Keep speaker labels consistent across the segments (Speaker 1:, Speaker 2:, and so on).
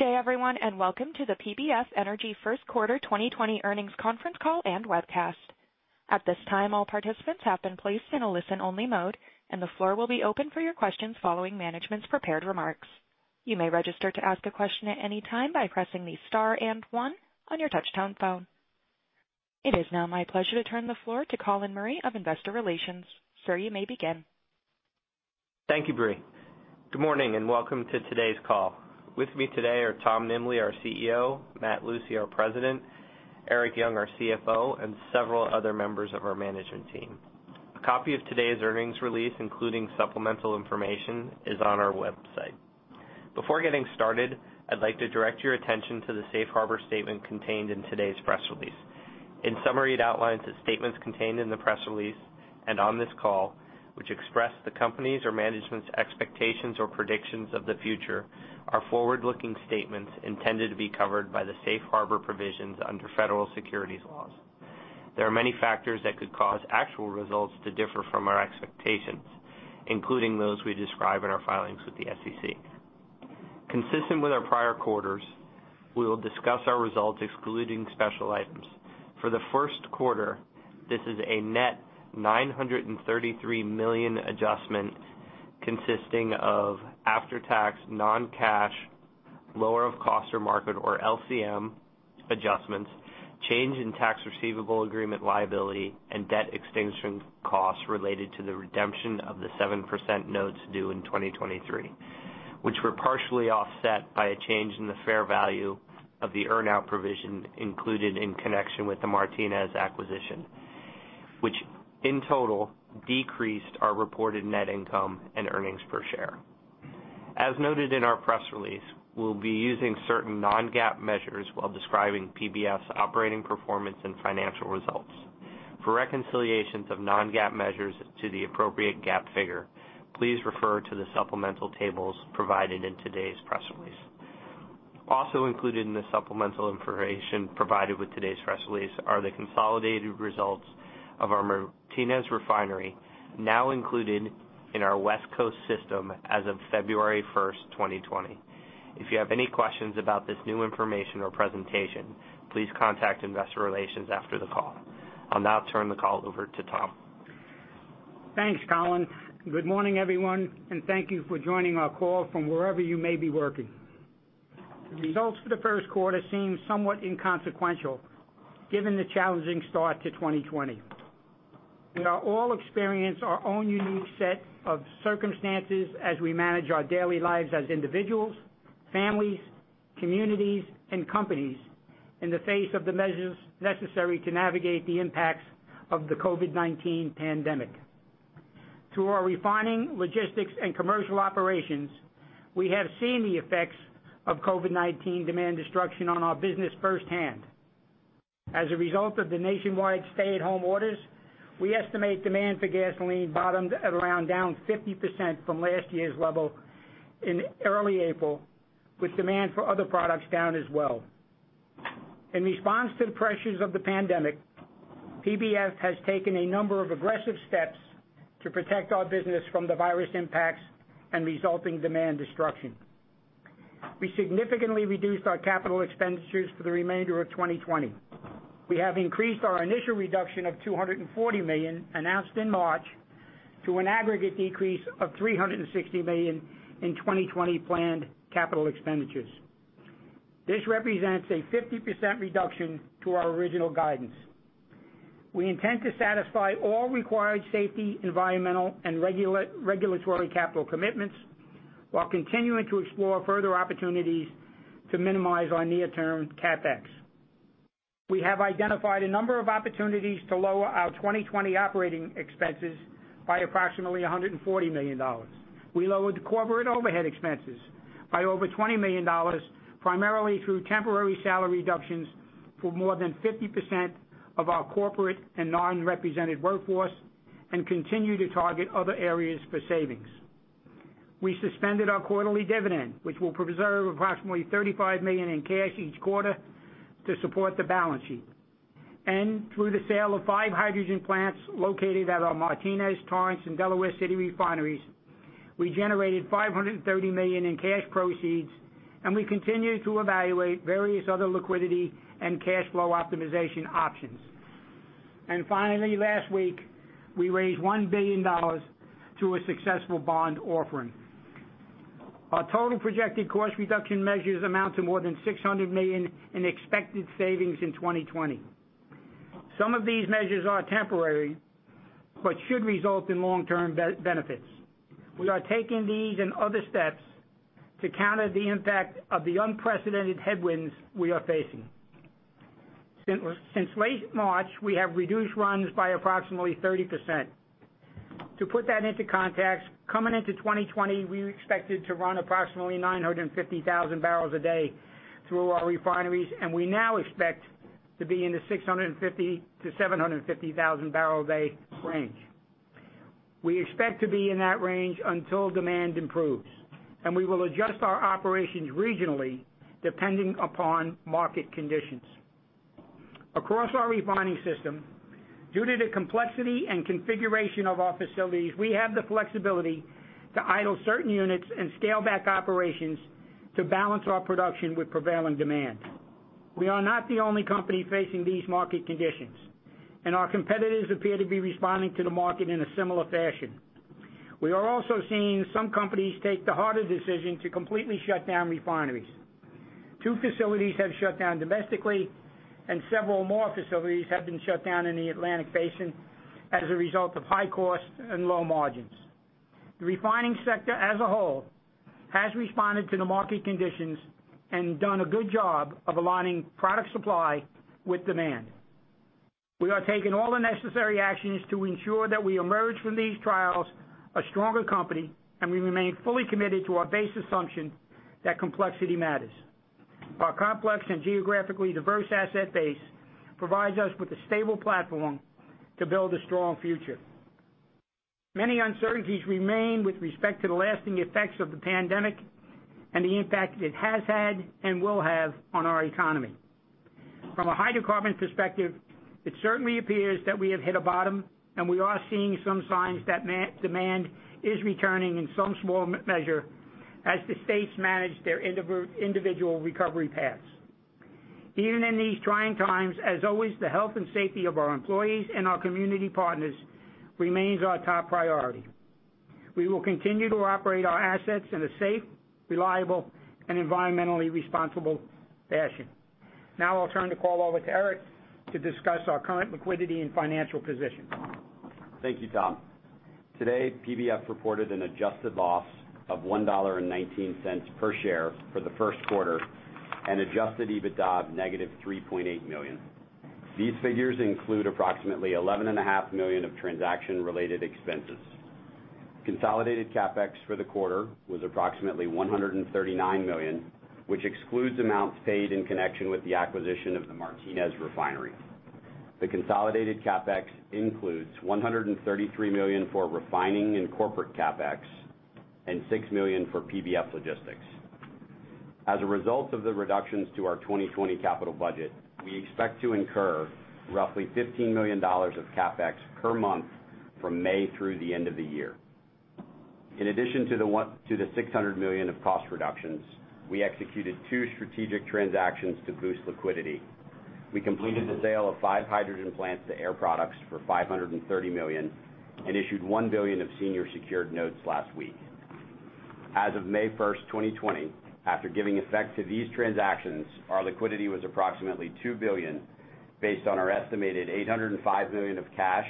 Speaker 1: Good day everyone, welcome to the PBF Energy First Quarter 2020 Earnings Conference Call and Webcast. At this time, all participants have been placed in a listen-only mode, and the floor will be open for your questions following management's prepared remarks. You may register to ask a question at any time by pressing the star 1 on your touchtone phone. It is now my pleasure to turn the floor to Colin Murray of Investor Relations. Sir, you may begin.
Speaker 2: Thank you, Brie. Good morning and welcome to today's call. With me today are Tom Nimbley, our CEO, Matt Lucey, our President, Erik Young, our CFO, and several other members of our management team. A copy of today's earnings release, including supplemental information, is on our website. Before getting started, I'd like to direct your attention to the Safe Harbor statement contained in today's press release. In summary, it outlines the statements contained in the press release and on this call, which express the companies' or management's expectations or predictions of the future, are forward-looking statements intended to be covered by the Safe Harbor provisions under federal securities laws. There are many factors that could cause actual results to differ from our expectations, including those we describe in our filings with the SEC. Consistent with our prior quarters, we will discuss our results excluding special items. For the first quarter, this is a net $933 million adjustment consisting of after-tax non-cash, lower of cost or market, or LCM adjustments, change in tax receivable agreement liability, and debt extinguishment costs related to the redemption of the 7% notes due in 2023, which were partially offset by a change in the fair value of the earn-out provision included in connection with the Martinez acquisition, which in total decreased our reported net income and earnings per share. As noted in our press release, we'll be using certain non-GAAP measures while describing PBF's operating performance and financial results. For reconciliations of non-GAAP measures to the appropriate GAAP figure, please refer to the supplemental tables provided in today's press release. Also included in the supplemental information provided with today's press release are the consolidated results of our Martinez refinery, now included in our West Coast system as of February 1st, 2020. If you have any questions about this new information or presentation, please contact investor relations after the call. I'll now turn the call over to Tom.
Speaker 3: Thanks, Colin. Good morning, everyone, and thank you for joining our call from wherever you may be working. The results for the first quarter seem somewhat inconsequential given the challenging start to 2020. We are all experiencing our own unique set of circumstances as we manage our daily lives as individuals, families, communities, and companies in the face of the measures necessary to navigate the impacts of the COVID-19 pandemic. Through our refining, logistics, and commercial operations, we have seen the effects of COVID-19 demand destruction on our business firsthand. As a result of the nationwide stay-at-home orders, we estimate demand for gasoline bottomed at around down 50% from last year's level in early April, with demand for other products down as well. In response to the pressures of the pandemic, PBF has taken a number of aggressive steps to protect our business from the virus impacts and resulting demand destruction. We significantly reduced our capital expenditures for the remainder of 2020. We have increased our initial reduction of $240 million announced in March to an aggregate decrease of $360 million in 2020 planned capital expenditures. This represents a 50% reduction to our original guidance. We intend to satisfy all required safety, environmental, and regulatory capital commitments while continuing to explore further opportunities to minimize our near-term CapEx. We have identified a number of opportunities to lower our 2020 operating expenses by approximately $140 million. We lowered the corporate overhead expenses by over $20 million, primarily through temporary salary reductions for more than 50% of our corporate and non-represented workforce, and continue to target other areas for savings. We suspended our quarterly dividend, which will preserve approximately $35 million in cash each quarter to support the balance sheet. Through the sale of five hydrogen plants located at our Martinez, Torrance, and Delaware City refineries, we generated $530 million in cash proceeds, and we continue to evaluate various other liquidity and cash flow optimization options. Finally, last week, we raised $1 billion through a successful bond offering. Our total projected cost reduction measures amount to more than $600 million in expected savings in 2020. Some of these measures are temporary, but should result in long-term benefits. We are taking these and other steps to counter the impact of the unprecedented headwinds we are facing. Since late March, we have reduced runs by approximately 30%. To put that into context, coming into 2020, we expected to run approximately 950,000 barrels a day through our refineries, and we now expect to be in the 650,000-750,000 barrel a day range. We expect to be in that range until demand improves, and we will adjust our operations regionally, depending upon market conditions. Across our refining system, due to the complexity and configuration of our facilities, we have the flexibility to idle certain units and scale back operations to balance our production with prevailing demand. We are not the only company facing these market conditions, and our competitors appear to be responding to the market in a similar fashion. We are also seeing some companies take the harder decision to completely shut down refineries. Two facilities have shut down domestically, and several more facilities have been shut down in the Atlantic Basin as a result of high costs and low margins. The refining sector, as a whole, has responded to the market conditions and done a good job of aligning product supply with demand. We are taking all the necessary actions to ensure that we emerge from these trials a stronger company, and we remain fully committed to our base assumption that complexity matters. Our complex and geographically diverse asset base provides us with a stable platform to build a strong future. Many uncertainties remain with respect to the lasting effects of the pandemic and the impact it has had and will have on our economy. From a hydrocarbon perspective, it certainly appears that we have hit a bottom, and we are seeing some signs that demand is returning in some small measure as the states manage their individual recovery paths. Even in these trying times, as always, the health and safety of our employees and our community partners remains our top priority. We will continue to operate our assets in a safe, reliable, and environmentally responsible fashion. Now I'll turn the call over to Erik to discuss our current liquidity and financial position.
Speaker 4: Thank you, Tom. Today, PBF reported an adjusted loss of $1.19 per share for the first quarter and adjusted EBITDA of negative $3.8 million. These figures include approximately $11.5 million of transaction-related expenses. Consolidated CapEx for the quarter was approximately $139 million, which excludes amounts paid in connection with the acquisition of the Martinez refinery. The consolidated CapEx includes $133 million for refining and corporate CapEx and $6 million for PBF Logistics. As a result of the reductions to our 2020 capital budget, we expect to incur roughly $15 million of CapEx per month from May through the end of the year. In addition to the $600 million of cost reductions, we executed two strategic transactions to boost liquidity. We completed the sale of five hydrogen plants to Air Products for $530 million and issued one billion of senior secured notes last week. As of May 1st, 2020, after giving effect to these transactions, our liquidity was approximately $2 billion based on our estimated $805 million of cash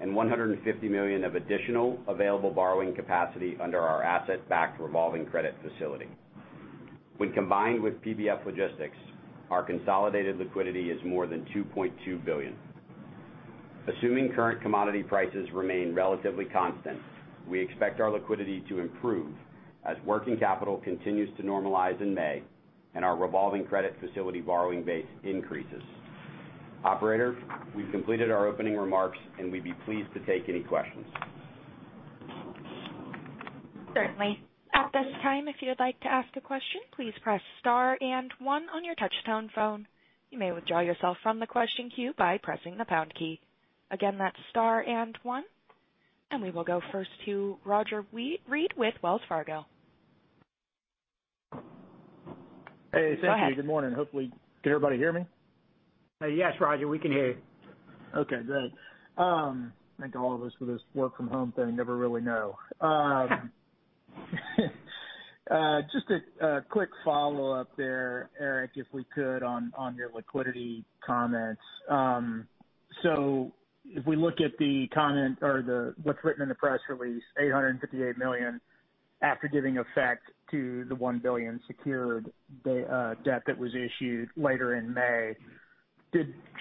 Speaker 4: and $150 million of additional available borrowing capacity under our asset-backed revolving credit facility. When combined with PBF Logistics, our consolidated liquidity is more than $2.2 billion. Assuming current commodity prices remain relatively constant, we expect our liquidity to improve as working capital continues to normalize in May and our revolving credit facility borrowing base increases. Operator, we've completed our opening remarks, and we'd be pleased to take any questions.
Speaker 1: Certainly. At this time, if you would like to ask a question, please press star and one on your touch-tone phone. You may withdraw yourself from the question queue by pressing the pound key. Again, that's star and one. We will go first to Roger Read with Wells Fargo.
Speaker 5: Hey, thank you.
Speaker 1: Go ahead.
Speaker 5: Good morning. Hopefully. Can everybody hear me?
Speaker 3: Yes, Roger, we can hear you.
Speaker 5: Okay, great. Thank all of us for this work from home thing. Never really know. Just a quick follow-up there, Erik, if we could, on your liquidity comments. If we look at the comment or what's written in the press release, $858 million after giving effect to the $1 billion secured debt that was issued later in May,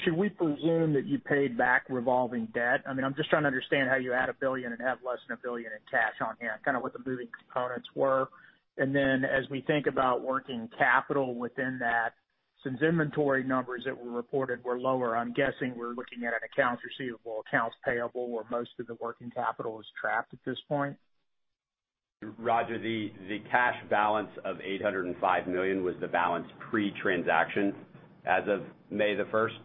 Speaker 5: should we presume that you paid back revolving debt? I'm just trying to understand how you add $1 billion and have less than $1 billion in cash on hand, kind of what the moving components were. As we think about working capital within that, since inventory numbers that were reported were lower, I'm guessing we're looking at an accounts receivable, accounts payable, where most of the working capital is trapped at this point?
Speaker 4: Roger, the cash balance of $805 million was the balance pre-transaction as of May the 1st.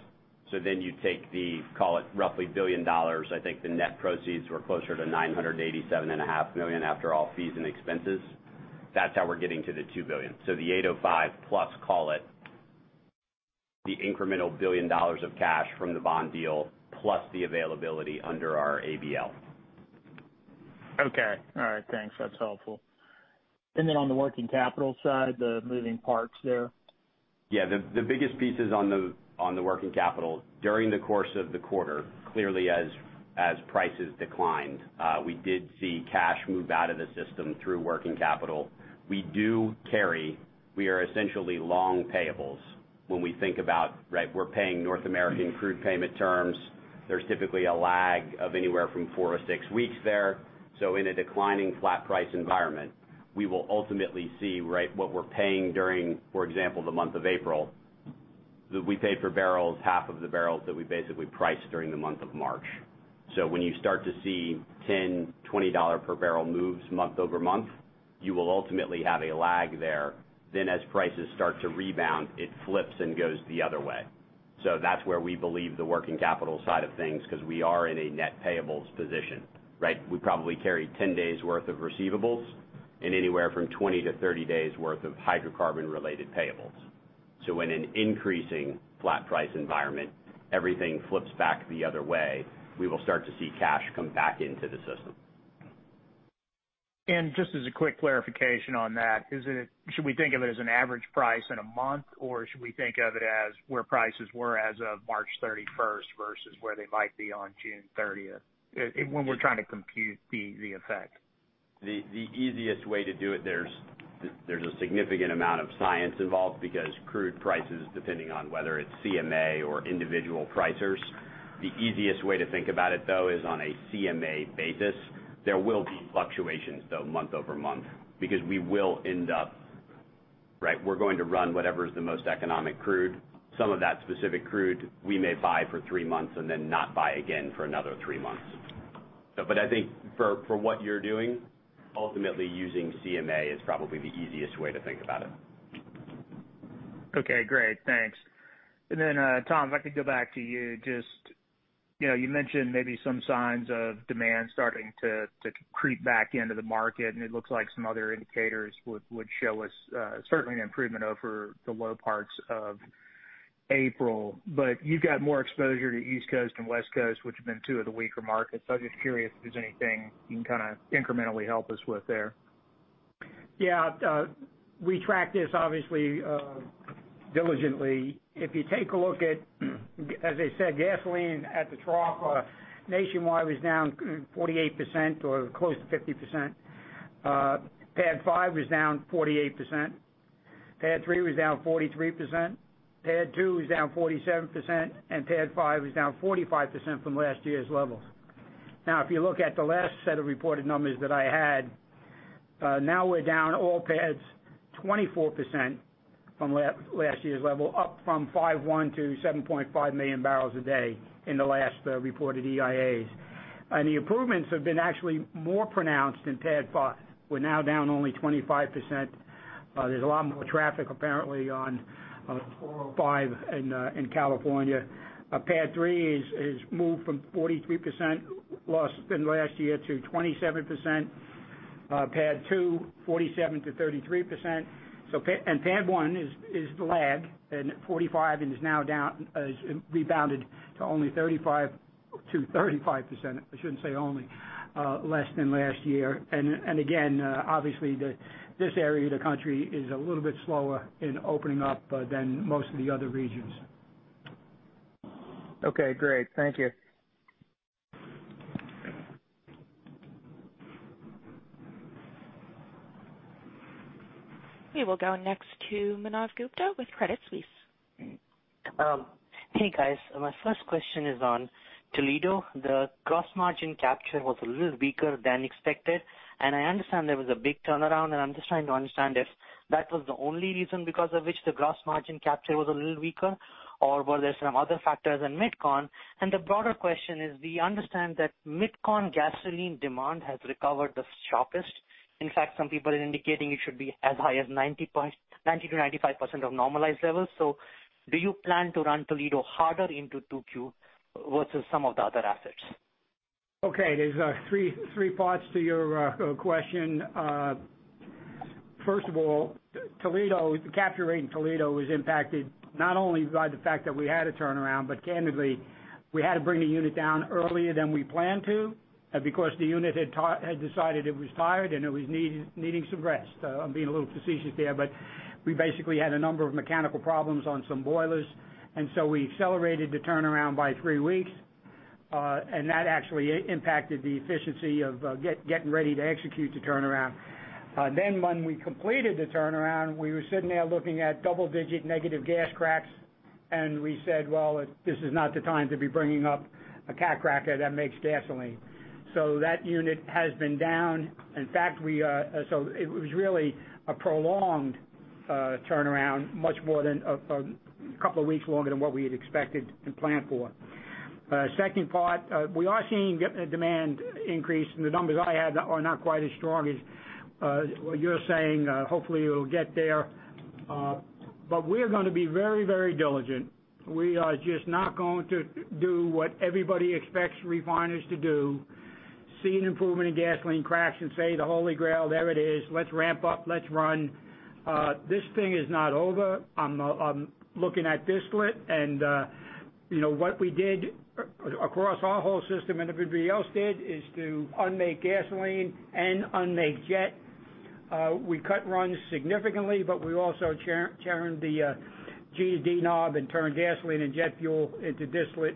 Speaker 4: You take the, call it, roughly $1 billion. I think the net proceeds were closer to $987.5 million after all fees and expenses. That's how we're getting to the $2 billion. The $805 million plus, call it, the incremental $1 billion of cash from the bond deal, plus the availability under our ABL.
Speaker 5: Okay. All right. Thanks. That's helpful. On the working capital side, the moving parts there?
Speaker 4: Yeah. The biggest piece is on the working capital. During the course of the quarter, clearly as prices declined, we did see cash move out of the system through working capital. We are essentially long payables when we think about, we're paying North American crude payment terms. There's typically a lag of anywhere from four to six weeks there. In a declining flat price environment, we will ultimately see what we're paying during, for example, the month of April, that we paid for barrels, half of the barrels that we basically priced during the month of March. When you start to see $10, $20 per barrel moves month-over-month, you will ultimately have a lag there. As prices start to rebound, it flips and goes the other way. That's where we believe the working capital side of things, because we are in a net payables position, right? We probably carry 10 days worth of receivables and anywhere from 20 to 30 days worth of hydrocarbon-related payables. In an increasing flat price environment, everything flips back the other way. We will start to see cash come back into the system.
Speaker 5: Just as a quick clarification on that, should we think of it as an average price in a month, or should we think of it as where prices were as of March 31st versus where they might be on June 30th, when we're trying to compute the effect?
Speaker 4: The easiest way to do it, there's a significant amount of science involved because crude prices, depending on whether it's CMA or individual pricers, the easiest way to think about it, though, is on a CMA basis. There will be fluctuations, though, month-over-month, because we're going to run whatever's the most economic crude. Some of that specific crude, we may buy for three months and then not buy again for another three months. I think for what you're doing, ultimately using CMA is probably the easiest way to think about it.
Speaker 5: Okay, great. Thanks. Tom, if I could go back to you just, you mentioned maybe some signs of demand starting to creep back into the market, and it looks like some other indicators would show us certainly an improvement over the low parts of April. You've got more exposure to East Coast and West Coast, which have been two of the weaker markets. I'm just curious if there's anything you can kind of incrementally help us with there.
Speaker 3: Yeah. We track this, obviously, diligently. If you take a look at, as I said, gasoline at the trough, nationwide was down 48% or close to 50%. PADD 5 was down 48%, PADD 3 was down 43%, PADD 2 was down 47%, and PADD 1 was down 45% from last year's levels. Now, if you look at the last set of reported numbers that I had, now we're down all PADDs 24% from last year's level, up from 5.1 to 7.5 million barrels a day in the last reported EIAs. The improvements have been actually more pronounced in PADD 5. We're now down only 25%. There's a lot more traffic, apparently, on 405 in California. PADD 3 has moved from 43% loss than last year to 27%, PADD 2, 47% to 33%. PADD 1is the lag at 45% and has now rebounded to only 35%, I shouldn't say only, less than last year. Again, obviously, this area of the country is a little bit slower in opening up than most of the other regions.
Speaker 5: Okay, great. Thank you.
Speaker 1: We will go next to Manav Gupta with Credit Suisse.
Speaker 6: Hey, guys. My first question is on Toledo. The gross margin capture was a little weaker than expected, I understand there was a big turnaround, and I'm just trying to understand if that was the only reason because of which the gross margin capture was a little weaker, or were there some other factors in MidCon? The broader question is, we understand that MidCon gasoline demand has recovered the sharpest. In fact, some people are indicating it should be as high as 90% to 95% of normalized levels. Do you plan to run Toledo harder into 2Q versus some of the other assets?
Speaker 3: Okay. There's three parts to your question. First of all, the capture rate in Toledo was impacted not only by the fact that we had a turnaround, but candidly, we had to bring the unit down earlier than we planned to because the unit had decided it was tired and it was needing some rest. I'm being a little facetious there, but we basically had a number of mechanical problems on some boilers, and so we accelerated the turnaround by three weeks, and that actually impacted the efficiency of getting ready to execute the turnaround. When we completed the turnaround, we were sitting there looking at double-digit negative gas cracks, and we said, "Well, this is not the time to be bringing up a cat cracker that makes gasoline." That unit has been down. It was really a prolonged turnaround, a couple of weeks longer than what we had expected and planned for. Second part, we are seeing demand increase, and the numbers I have are not quite as strong as what you're saying. Hopefully, it'll get there. We're going to be very diligent. We are just not going to do what everybody expects refiners to do, see an improvement in gasoline cracks and say, "The Holy Grail, there it is. Let's ramp up. Let's run." This thing is not over. I'm looking at distillate and what we did across our whole system, and everybody else did, is to unmake gasoline and unmake jet. We cut runs significantly, but we also turned the GD knob and turned gasoline and jet fuel into distillate.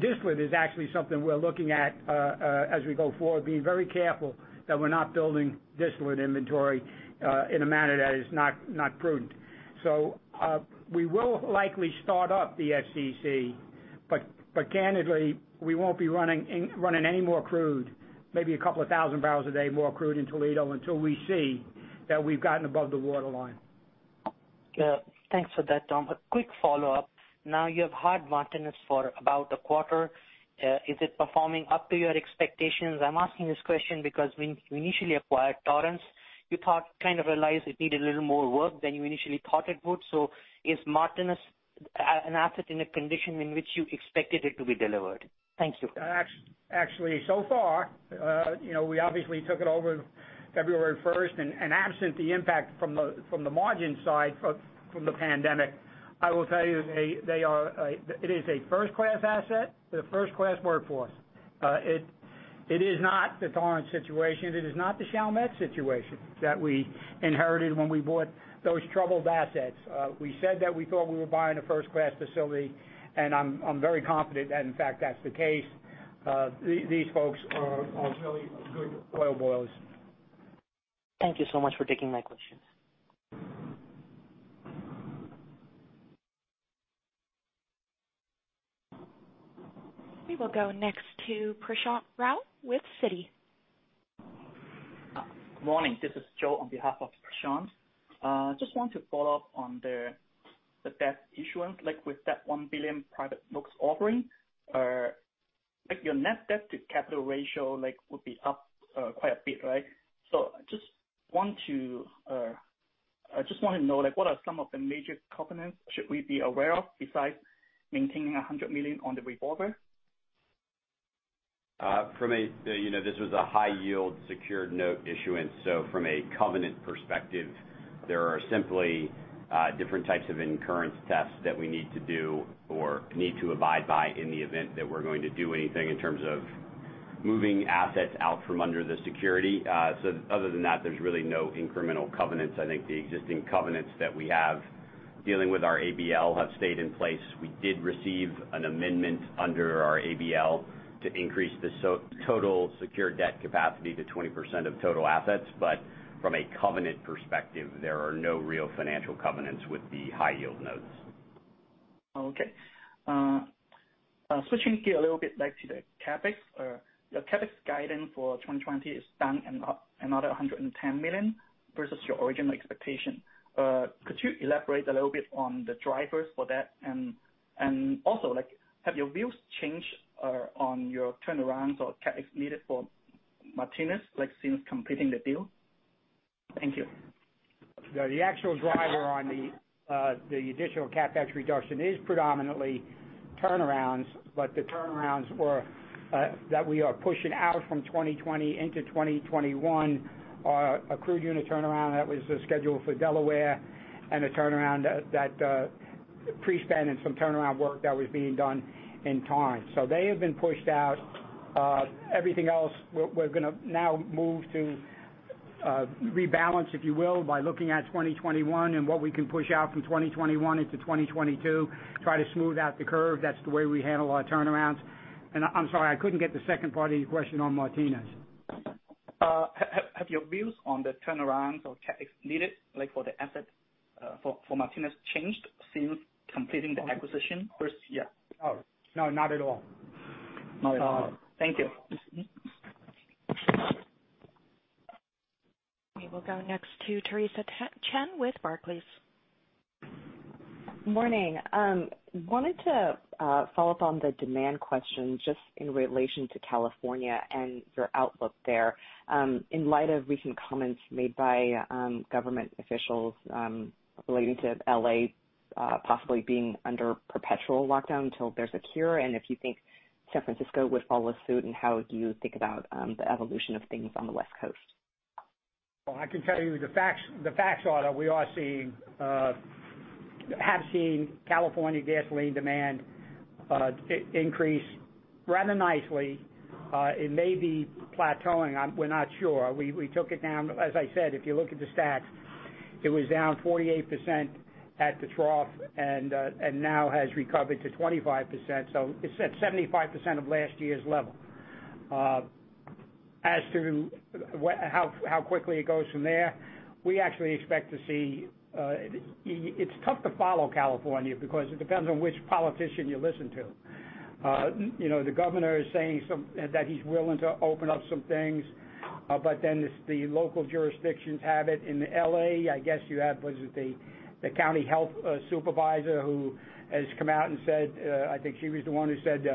Speaker 3: Distillate is actually something we're looking at as we go forward, being very careful that we're not building distillate inventory in a manner that is not prudent. We will likely start up the FCC, but candidly, we won't be running any more crude, maybe a couple of thousand barrels a day more crude in Toledo until we see that we've gotten above the waterline.
Speaker 6: Yeah. Thanks for that, Tom. A quick follow-up. Now you have had Martinez for about a quarter. Is it performing up to your expectations? I'm asking this question because when you initially acquired Torrance, you kind of realized it needed a little more work than you initially thought it would. Is Martinez an asset in a condition in which you expected it to be delivered? Thank you.
Speaker 3: Actually, so far, we obviously took it over February 1st, and absent the impact from the margin side from the pandemic, I will tell you it is a first-class asset with a first-class workforce. It is not the Torrance situation. It is not the Chalmette situation that we inherited when we bought those troubled assets. We said that we thought we were buying a first-class facility, and I'm very confident that in fact, that's the case. These folks are really good oil boilers.
Speaker 6: Thank you so much for taking my question.
Speaker 1: We will go next to Prashant Rao with Citi.
Speaker 7: Good morning. This is Joe on behalf of Prashant. Just want to follow up on the debt issuance, like with that $1 billion private notes offering. Your net debt to capital ratio would be up quite a bit, right? I just want to know what are some of the major covenants should we be aware of besides maintaining $100 million on the revolver?
Speaker 4: This was a high-yield secured note issuance, so from a covenant perspective, there are simply different types of incurrence tests that we need to do or need to abide by in the event that we're going to do anything in terms of moving assets out from under the security. Other than that, there's really no incremental covenants. I think the existing covenants that we have dealing with our ABL have stayed in place. We did receive an amendment under our ABL to increase the total secured debt capacity to 20% of total assets. From a covenant perspective, there are no real financial covenants with the high-yield notes.
Speaker 7: Okay. Switching gear a little bit back to the CapEx. Your CapEx guidance for 2020 is down another $110 million versus your original expectation. Could you elaborate a little bit on the drivers for that? Have your views changed on your turnarounds or CapEx needed for Martinez, like since completing the deal? Thank you.
Speaker 3: The actual driver on the additional CapEx reduction is predominantly turnarounds. The turnarounds that we are pushing out from 2020 into 2021 are a crude unit turnaround that was scheduled for Delaware and a turnaround that pre-spent and some turnaround work that was being done in Torrance. They have been pushed out. Everything else, we're going to now move to rebalance, if you will, by looking at 2021 and what we can push out from 2021 into 2022, try to smooth out the curve. That's the way we handle our turnarounds. I'm sorry, I couldn't get the second part of your question on Martinez.
Speaker 7: Have your views on the turnarounds or CapEx needed for the asset for Martinez changed since completing the acquisition first year?
Speaker 3: No, not at all.
Speaker 7: Not at all. Thank you.
Speaker 1: We will go next to Theresa Chen with Barclays.
Speaker 8: Morning. Wanted to follow up on the demand question just in relation to California and your outlook there in light of recent comments made by government officials relating to L.A. possibly being under perpetual lockdown until there's a cure, and if you think San Francisco would follow suit, and how do you think about the evolution of things on the West Coast?
Speaker 3: Well, I can tell you the facts are that we have seen California gasoline demand increase rather nicely. It may be plateauing. We're not sure. We took it down. As I said, if you look at the stats, it was down 48% at the trough and now has recovered to 25%. It's at 75% of last year's level. As to how quickly it goes from there, we actually expect It's tough to follow California because it depends on which politician you listen to. The governor is saying that he's willing to open up some things, the local jurisdictions have it. In L.A., I guess you have, was it the county health supervisor who has come out and said, I think she was the one who said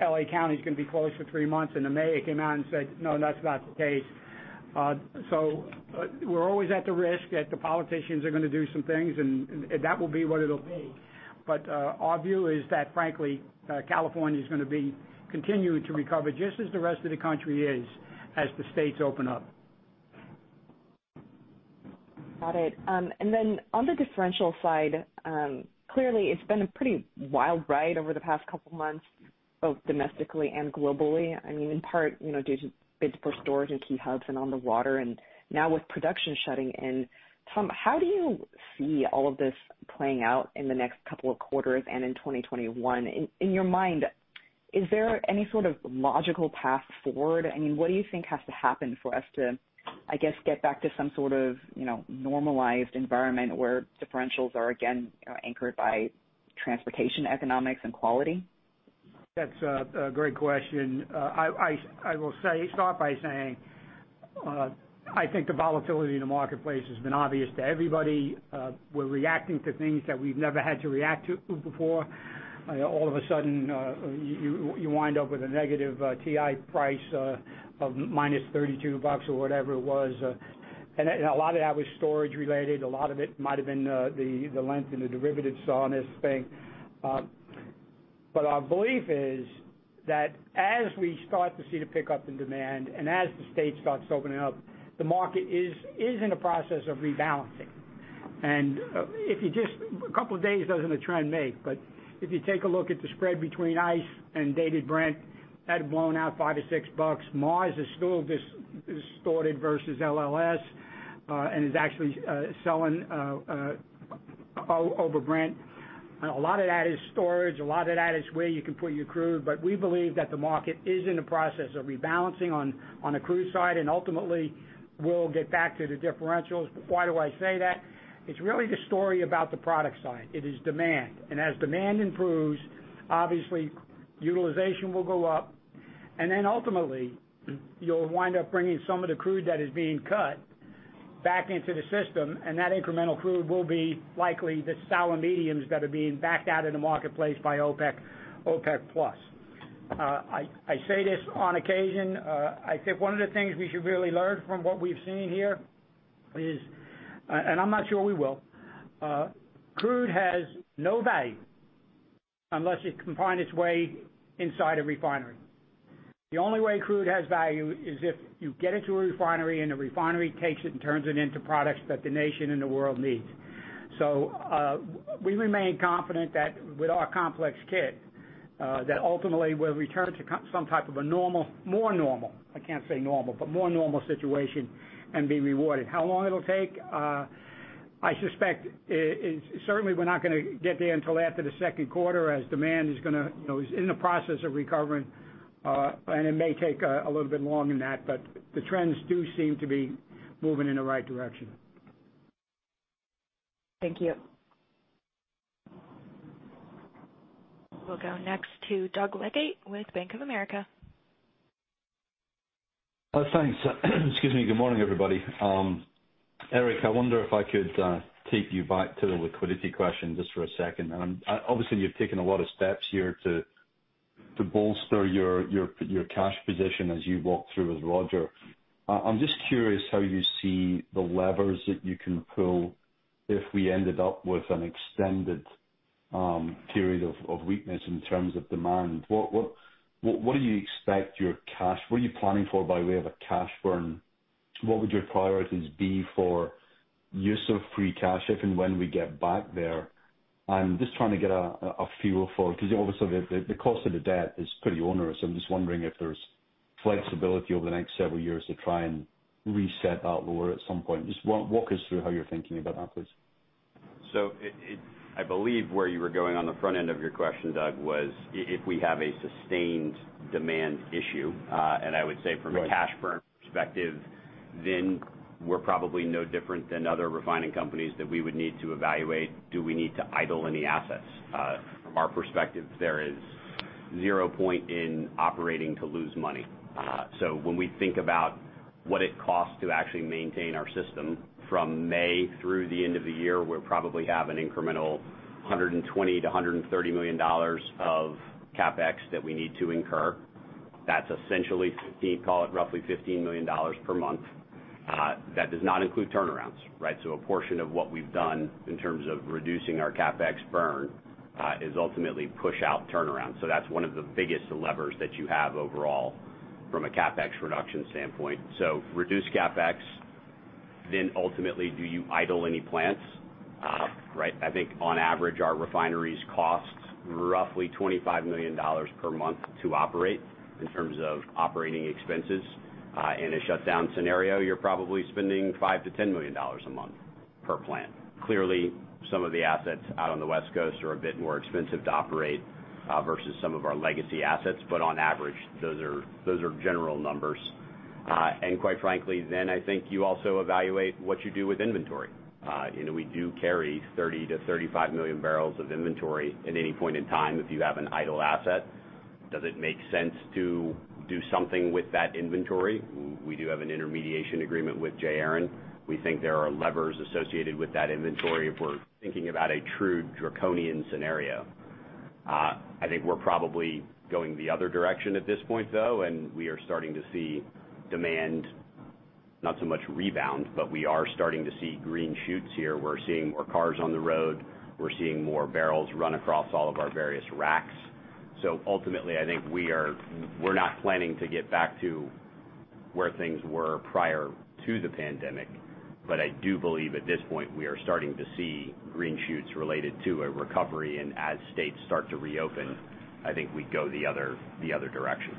Speaker 3: L.A. County's going to be closed for three months, and the mayor came out and said, "No, that's not the case." We're always at the risk that the politicians are going to do some things, and that will be what it'll be. Our view is that frankly, California is going to be continuing to recover just as the rest of the country is as the states open up.
Speaker 8: Got it. On the differential side, clearly it's been a pretty wild ride over the past couple of months, both domestically and globally. In part due to bids for storage in key hubs and on the water, and now with production shutting in. Tom, how do you see all of this playing out in the next couple of quarters and in 2021? In your mind, is there any sort of logical path forward? What do you think has to happen for us to, I guess, get back to some sort of normalized environment where differentials are again anchored by transportation economics and quality?
Speaker 3: That's a great question. I will start by saying, I think the volatility in the marketplace has been obvious to everybody. We're reacting to things that we've never had to react to before. All of a sudden, you wind up with a negative WTI price of -$32 or whatever it was. A lot of that was storage related. A lot of it might have been the length in the derivatives on this thing. Our belief is that as we start to see the pickup in demand, and as the state starts opening up, the market is in the process of rebalancing. A couple of days doesn't a trend make, but if you take a look at the spread between ICE and Dated Brent, that had blown out $5 or $6. Mars is still distorted versus LLS, and is actually selling over Brent. A lot of that is storage, a lot of that is where you can put your crude, but we believe that the market is in the process of rebalancing on the crude side, and ultimately will get back to the differentials. Why do I say that? It's really the story about the product side. It is demand. As demand improves, obviously, utilization will go up, and then ultimately, you'll wind up bringing some of the crude that is being cut back into the system, and that incremental crude will be likely the sour mediums that are being backed out of the marketplace by OPEC+. I say this on occasion. I think one of the things we should really learn from what we've seen here is, and I'm not sure we will, crude has no value unless it can find its way inside a refinery. The only way crude has value is if you get it to a refinery, and the refinery takes it and turns it into products that the nation and the world needs. We remain confident that with our complex kit, that ultimately we'll return to some type of a more normal, I can't say normal, but more normal situation and be rewarded. How long it'll take? I suspect, certainly we're not going to get there until after the second quarter, as demand is in the process of recovering. It may take a little bit longer than that, but the trends do seem to be moving in the right direction.
Speaker 8: Thank you.
Speaker 1: We'll go next to Doug Leggate with Bank of America.
Speaker 9: Thanks. Excuse me. Good morning, everybody. Erik, I wonder if I could take you back to the liquidity question just for a second. Obviously you've taken a lot of steps here to bolster your cash position as you walked through with Roger. I'm just curious how you see the levers that you can pull if we ended up with an extended period of weakness in terms of demand. What are you planning for by way of a cash burn? What would your priorities be for use of free cash if and when we get back there? I'm just trying to get a feel for it, because obviously the cost of the debt is pretty onerous. I'm just wondering if there's flexibility over the next several years to try and reset that lower at some point. Just walk us through how you're thinking about that, please.
Speaker 4: I believe where you were going on the front end of your question, Doug, was if we have a sustained demand issue.
Speaker 9: Right.
Speaker 4: I would say from a cash burn perspective, then we're probably no different than other refining companies that we would need to evaluate, do we need to idle any assets? From our perspective, there is zero point in operating to lose money. When we think about what it costs to actually maintain our system from May through the end of the year, we'll probably have an incremental $120 million-$130 million of CapEx that we need to incur. That's essentially, call it, roughly $15 million per month. That does not include turnarounds. Right? A portion of what we've done in terms of reducing our CapEx burn, is ultimately push out turnarounds. That's one of the biggest levers that you have overall from a CapEx reduction standpoint. Reduce CapEx, then ultimately, do you idle any plants? Right? I think on average, our refineries cost roughly $25 million per month to operate in terms of operating expenses. In a shutdown scenario, you're probably spending $5 million-$10 million a month per plant. Clearly, some of the assets out on the West Coast are a bit more expensive to operate versus some of our legacy assets, but on average, those are general numbers. Quite frankly, then I think you also evaluate what you do with inventory. We do carry 30 million-35 million barrels of inventory at any point in time. If you have an idle asset, does it make sense to do something with that inventory? We do have an intermediation agreement with J. Aron. We think there are levers associated with that inventory if we're thinking about a true draconian scenario. I think we're probably going the other direction at this point, though, and we are starting to see demand, not so much rebound, but we are starting to see green shoots here. We're seeing more cars on the road. We're seeing more barrels run across all of our various racks. Ultimately, I think we're not planning to get back to where things were prior to the pandemic, but I do believe at this point we are starting to see green shoots related to a recovery, and as states start to reopen, I think we go the other direction.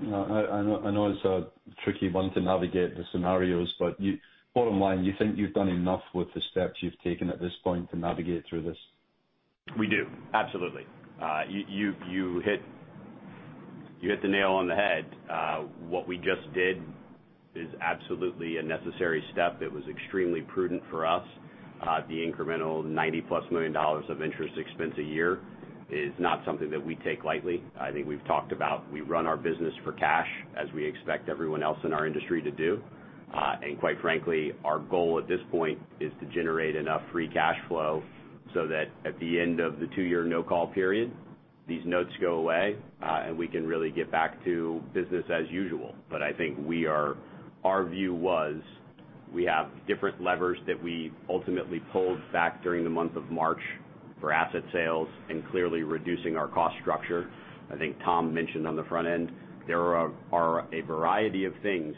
Speaker 9: I know it's a tricky one to navigate the scenarios, but bottom line, you think you've done enough with the steps you've taken at this point to navigate through this?
Speaker 4: We do. Absolutely. You hit the nail on the head. What we just did is absolutely a necessary step. It was extremely prudent for us. The incremental $90 plus million of interest expense a year is not something that we take lightly. I think we've talked about, we run our business for cash as we expect everyone else in our industry to do. Quite frankly, our goal at this point is to generate enough free cash flow so that at the end of the two-year no-call period, these notes go away, and we can really get back to business as usual. I think our view was, we have different levers that we ultimately pulled back during the month of March for asset sales and clearly reducing our cost structure. I think Tom mentioned on the front end, there are a variety of things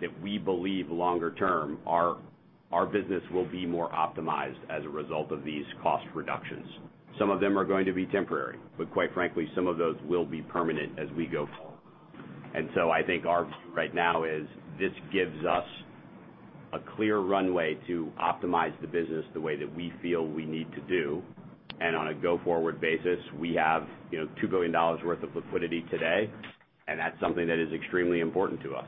Speaker 4: that we believe longer term, our business will be more optimized as a result of these cost reductions. Some of them are going to be temporary, but quite frankly, some of those will be permanent as we go forward. I think our view right now is this gives us a clear runway to optimize the business the way that we feel we need to do. On a go-forward basis, we have $2 billion worth of liquidity today, and that's something that is extremely important to us.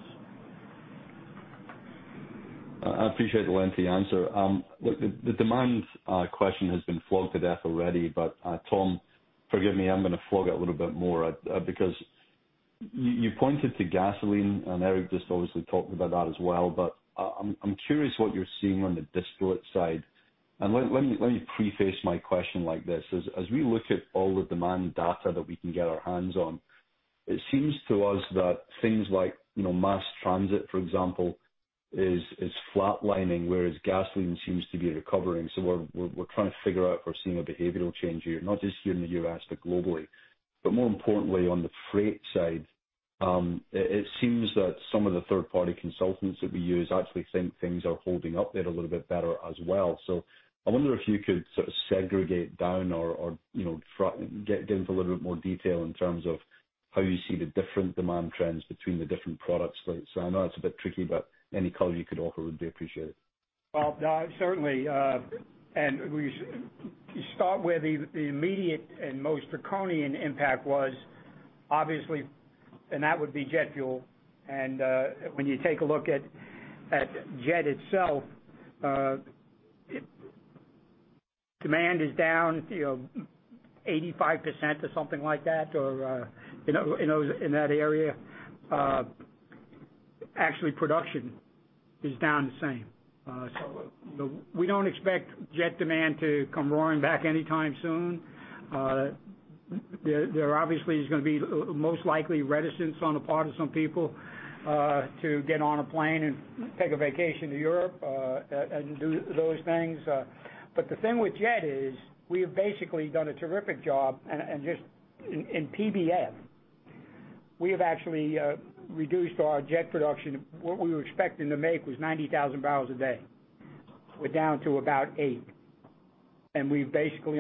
Speaker 9: I appreciate the lengthy answer. Look, the demand question has been flogged to death already, but Tom, forgive me, I'm going to flog it a little bit more, because you pointed to gasoline, and Erik just obviously talked about that as well. But I'm curious what you're seeing on the distillate side. And let me preface my question like this. As we look at all the demand data that we can get our hands on, it seems to us that things like mass transit, for example, is flat-lining, whereas gasoline seems to be recovering. So we're trying to figure out if we're seeing a behavioral change here, not just here in the U.S., but globally. But more importantly, on the freight side, it seems that some of the third-party consultants that we use actually think things are holding up there a little bit better as well. I wonder if you could sort of segregate down or get into a little bit more detail in terms of how you see the different demand trends between the different products. I know that's a bit tricky, but any color you could offer would be appreciated.
Speaker 3: Well, certainly. To start where the immediate and most draconian impact was, obviously, and that would be jet fuel. When you take a look at jet itself, demand is down 85% or something like that, or in that area. Actually, production is down the same. We don't expect jet demand to come roaring back anytime soon. There obviously is going to be most likely reticence on the part of some people to get on a plane and take a vacation to Europe, and do those things. The thing with jet is we have basically done a terrific job in PBF Energy. We have actually reduced our jet production. What we were expecting to make was 90,000 barrels a day. We're down to about eight. We've basically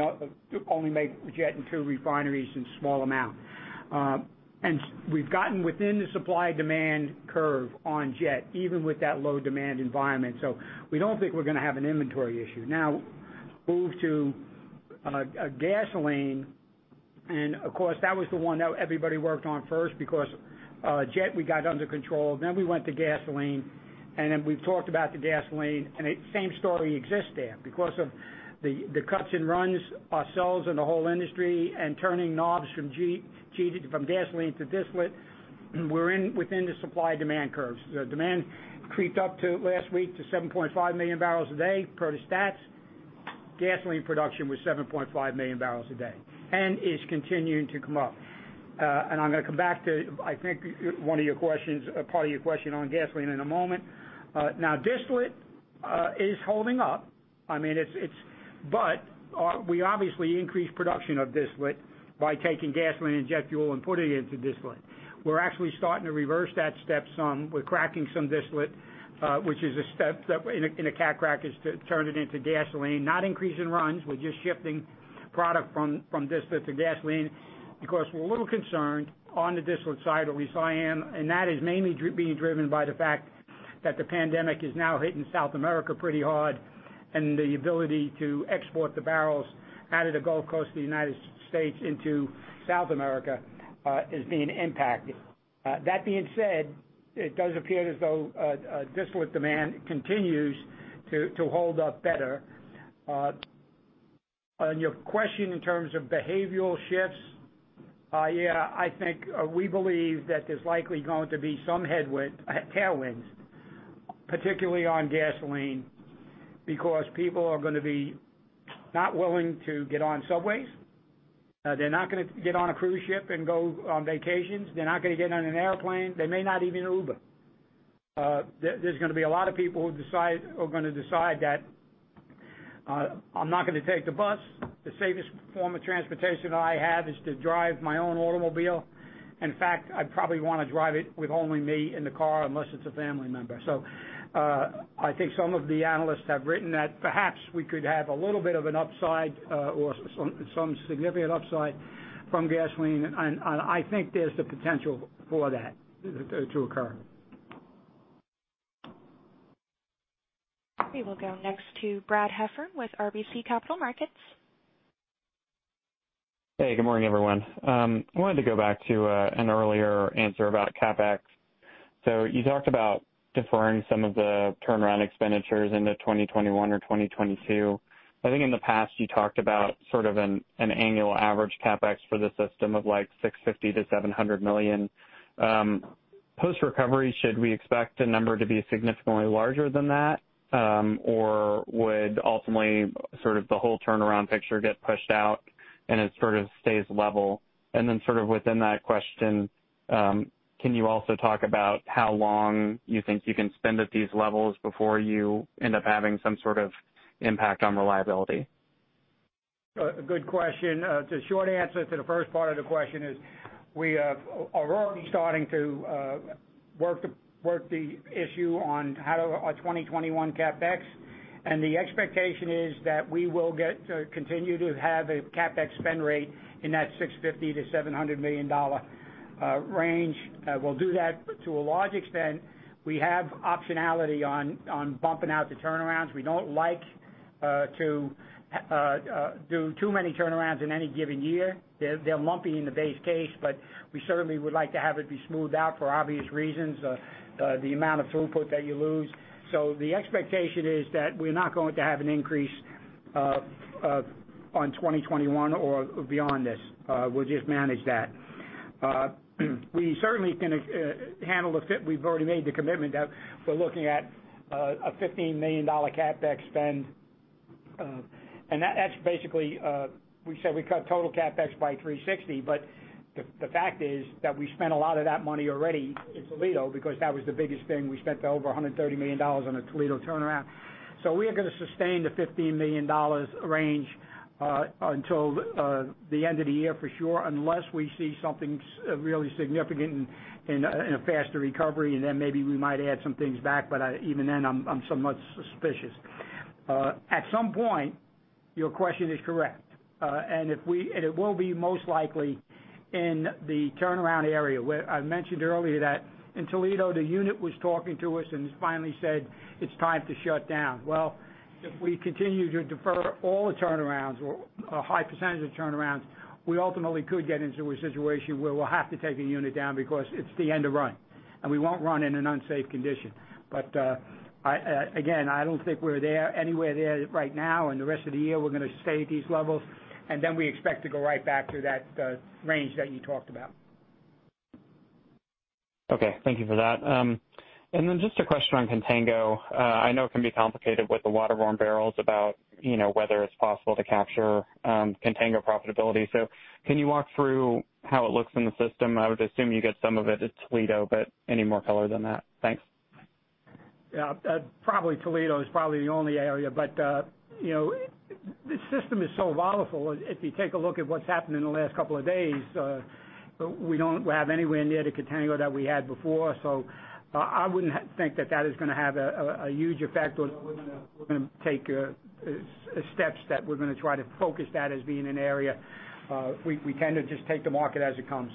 Speaker 3: only made jet in two refineries in small amount. We've gotten within the supply-demand curve on jet, even with that low-demand environment. We don't think we're going to have an inventory issue. Move to gasoline, and of course, that was the one that everybody worked on first because jet we got under control. We went to gasoline, and then we've talked about the gasoline, and same story exists there. Because of the cuts in runs ourselves and the whole industry and turning knobs from gasoline to distillate, we're within the supply-demand curves. The demand creeped up last week to 7.5 million barrels a day, per the stats. Gasoline production was 7.5 million barrels a day and is continuing to come up. I'm going to come back to, I think one of your questions, or part of your question on gasoline in a moment. Distillate is holding up. We obviously increased production of distillate by taking gasoline and jet fuel and putting it into distillate. We're actually starting to reverse that step some. We're cracking some distillate which is a step that in a cat cracker is to turn it into gasoline. Not increasing runs. We're just shifting product from distillate to gasoline because we're a little concerned on the distillate side, or at least I am, and that is mainly being driven by the fact that the pandemic is now hitting South America pretty hard, and the ability to export the barrels out of the Gulf Coast of the United States into South America is being impacted. That being said, it does appear as though distillate demand continues to hold up better. On your question in terms of behavioral shifts, yeah, I think we believe that there's likely going to be some headwinds, particularly on gasoline, because people are going to be not willing to get on subways. They're not going to get on a cruise ship and go on vacations. They're not going to get on an airplane. They may not even Uber. There's going to be a lot of people who are going to decide that, "I'm not going to take the bus. The safest form of transportation I have is to drive my own automobile. In fact, I'd probably want to drive it with only me in the car unless it's a family member. I think some of the analysts have written that perhaps we could have a little bit of an upside or some significant upside from gasoline, and I think there's the potential for that to occur.
Speaker 1: We will go next to Brad Heffern with RBC Capital Markets.
Speaker 10: Hey, good morning, everyone. I wanted to go back to an earlier answer about CapEx. You talked about deferring some of the turnaround expenditures into 2021 or 2022. I think in the past you talked about sort of an annual average CapEx for the system of like $650 million-$700 million. Post recovery, should we expect the number to be significantly larger than that? Would ultimately sort of the whole turnaround picture get pushed out and it sort of stays level? Then sort of within that question, can you also talk about how long you think you can spend at these levels before you end up having some sort of impact on reliability?
Speaker 3: Good question. The short answer to the first part of the question is we are already starting to work the issue on our 2021 CapEx. The expectation is that we will get to continue to have a CapEx spend rate in that $650 million-$700 million range. We'll do that to a large extent. We have optionality on bumping out the turnarounds. We don't like to do too many turnarounds in any given year. They're lumpy in the base case, but we certainly would like to have it be smoothed out for obvious reasons, the amount of throughput that you lose. The expectation is that we're not going to have an increase on 2021 or beyond this. We'll just manage that. We certainly can handle the fit. We've already made the commitment that we're looking at a $15 million CapEx spend. That's basically, we said we cut total CapEx by $360 million, but the fact is that we spent a lot of that money already in Toledo, because that was the biggest thing. We spent over $130 million on a Toledo turnaround. We are going to sustain the $15 million range, until the end of the year for sure, unless we see something really significant in a faster recovery, and then maybe we might add some things back, but even then, I'm somewhat suspicious. At some point, your question is correct. It will be most likely in the turnaround area where I mentioned earlier that in Toledo, the unit was talking to us and finally said, "It's time to shut down." If we continue to defer all the turnarounds or a high percentage of turnarounds, we ultimately could get into a situation where we'll have to take a unit down because it's the end of run, and we won't run in an unsafe condition. Again, I don't think we're anywhere there right now, and the rest of the year we're going to stay at these levels, and then we expect to go right back to that range that you talked about.
Speaker 10: Okay. Thank you for that. Just a question on Contango. I know it can be complicated with the waterborne barrels about whether it's possible to capture Contango profitability. Can you walk through how it looks in the system? I would assume you get some of it at Toledo, any more color than that? Thanks.
Speaker 3: Yeah. Probably Toledo is probably the only area, but the system is so volatile. If you take a look at what's happened in the last couple of days, we don't have anywhere near the Contango that we had before. I wouldn't think that that is going to have a huge effect. We're going to take steps that we're going to try to focus that as being an area. We tend to just take the market as it comes.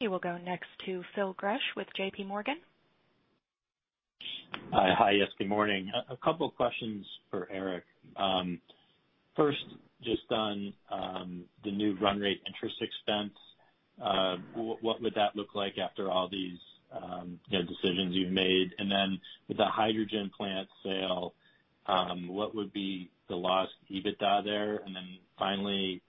Speaker 1: We will go next to Phil Gresh with J.P. Morgan.
Speaker 11: Hi. Yes, good morning. A couple questions for Erik. First, just on the new run rate interest expense. What would that look like after all these decisions you've made? With the hydrogen plant sale, what would be the lost EBITDA there? Finally,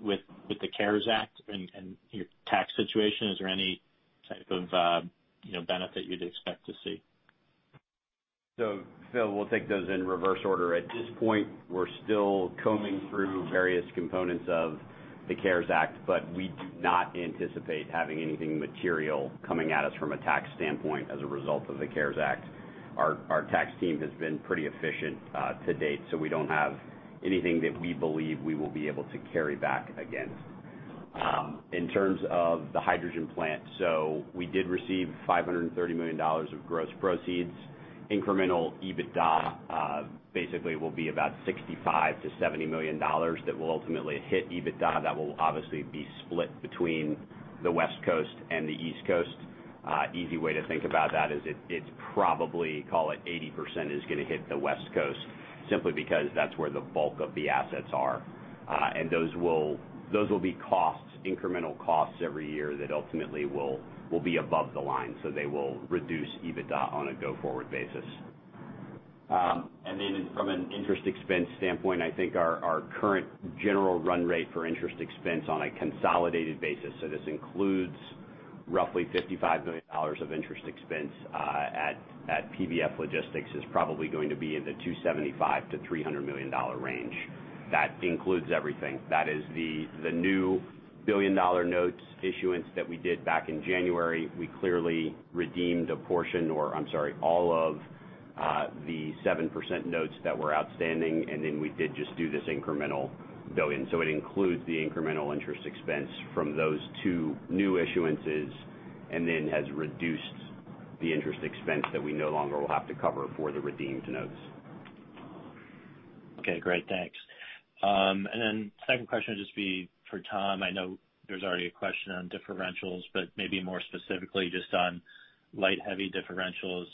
Speaker 11: with the CARES Act and your tax situation, is there any type of benefit you'd expect to see?
Speaker 4: Phil, we'll take those in reverse order. At this point, we're still combing through various components of the CARES Act, but we do not anticipate having anything material coming at us from a tax standpoint as a result of the CARES Act. Our tax team has been pretty efficient to date, we don't have anything that we believe we will be able to carry back against. In terms of the hydrogen plant, we did receive $530 million of gross proceeds. Incremental EBITDA, basically will be about $65 million to $70 million that will ultimately hit EBITDA. That will obviously be split between the West Coast and the East Coast. Easy way to think about that is it's probably, call it 80% is going to hit the West Coast simply because that's where the bulk of the assets are. Those will be costs, incremental costs every year that ultimately will be above the line. They will reduce EBITDA on a go-forward basis. From an interest expense standpoint, I think our current general run rate for interest expense on a consolidated basis, this includes roughly $55 million of interest expense at PBF Logistics, is probably going to be in the $275 million to $300 million range. That includes everything. That is the new billion-dollar notes issuance that we did back in January. We clearly redeemed a portion or, I'm sorry, all of the 7% notes that were outstanding. We did just do this incremental $1 billion. It includes the incremental interest expense from those two new issuances, and has reduced the interest expense that we no longer will have to cover for the redeemed notes.
Speaker 11: Okay, great. Thanks. Second question would just be for Tom. I know there's already a question on differentials, but maybe more specifically just on light heavy differentials.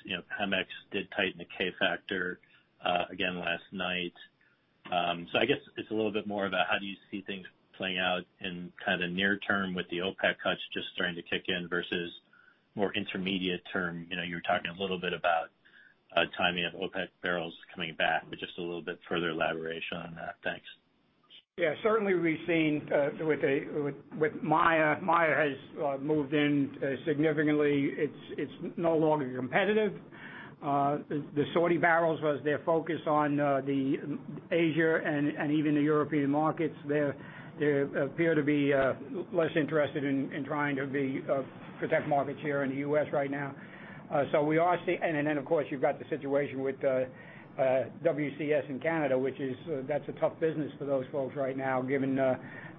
Speaker 11: Pemex did tighten the K factor again last night. I guess it's a little bit more about how do you see things playing out in kind of near term with the OPEC cuts just starting to kick in versus more intermediate term. You were talking a little bit about timing of OPEC barrels coming back, just a little bit further elaboration on that. Thanks.
Speaker 3: Certainly, we've seen with Maya has moved in significantly. It's no longer competitive. The Saudi barrels was their focus on the Asia and even the European markets. They appear to be less interested in trying to protect markets here in the U.S. right now. Of course, you've got the situation with WCS in Canada, which is, that's a tough business for those folks right now given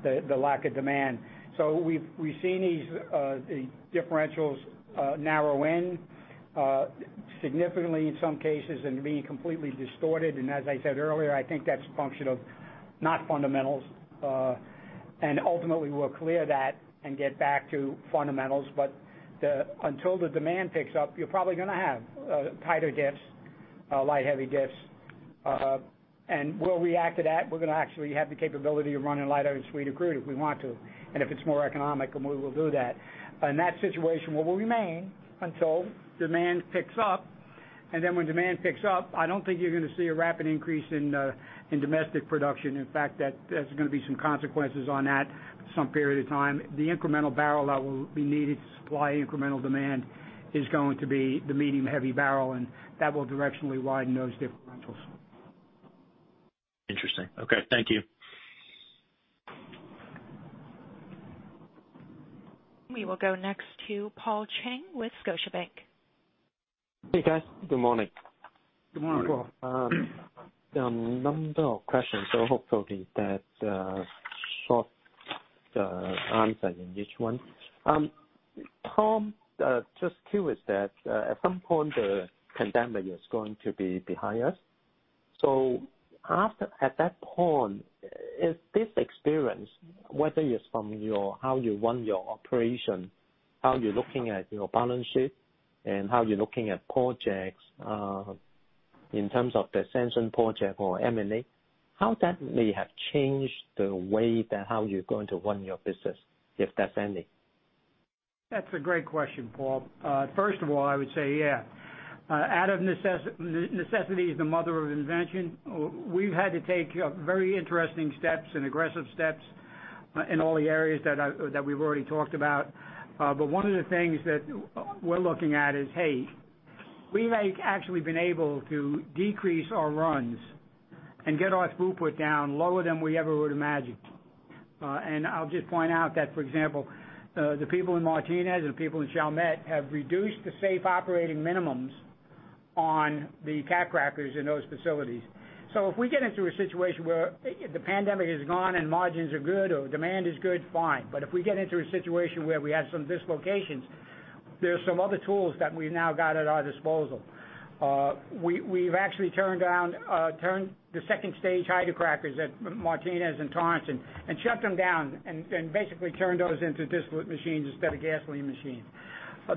Speaker 3: the lack of demand. We've seen these differentials narrow in significantly in some cases and being completely distorted. As I said earlier, I think that's a function of not fundamentals. Ultimately, we'll clear that and get back to fundamentals. Until the demand picks up, you're probably going to have tighter diffs, light heavy diffs. We'll react to that. We're going to actually have the capability of running lighter and sweeter crude if we want to. If it's more economic, then we will do that. That situation will remain until demand picks up, then when demand picks up, I don't think you're going to see a rapid increase in domestic production. In fact, there's going to be some consequences on that some period of time. The incremental barrel that will be needed to supply incremental demand is going to be the medium heavy barrel, that will directionally widen those differentials.
Speaker 11: Interesting. Okay. Thank you.
Speaker 1: We will go next to Paul Cheng with Scotiabank.
Speaker 12: Hey, guys. Good morning.
Speaker 3: Good morning.
Speaker 12: A number of questions, so hopefully that short answer in each one. Tom, just curious that at some point the pandemic is going to be behind us. At that point, is this experience, whether it's from how you run your operation, how you're looking at your balance sheet, and how you're looking at projects, in terms of the [Senson] project or M&A, how that may have changed the way that how you're going to run your business, if there's any?
Speaker 3: That's a great question, Paul. First of all, I would say, yeah. Out of necessity is the mother of invention. We've had to take very interesting steps and aggressive steps in all the areas that we've already talked about. One of the things that we're looking at is, hey, we've actually been able to decrease our runs and get our throughput down lower than we ever would've imagined. I'll just point out that, for example, the people in Martinez and the people in Chalmette have reduced the safe operating minimums on the cat crackers in those facilities. If we get into a situation where the pandemic is gone and margins are good or demand is good, fine. If we get into a situation where we have some dislocations, there's some other tools that we've now got at our disposal. We've actually turned the second-stage hydrocrackers at Martinez and Torrance and shut them down and basically turned those into distillate machines instead of gasoline machines.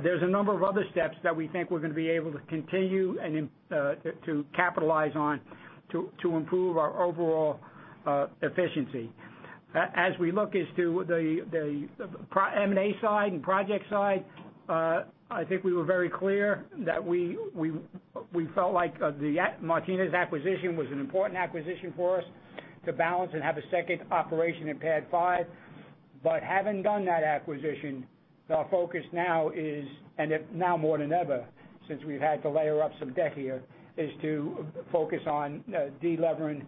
Speaker 3: There's a number of other steps that we think we're going to be able to continue and to capitalize on to improve our overall efficiency. As we look as to the M&A side and project side, I think we were very clear that we felt like the Martinez acquisition was an important acquisition for us to balance and have a second operation in PADD 5. Having done that acquisition, the focus now is, and now more than ever since we've had to layer up some debt here, is to focus on de-levering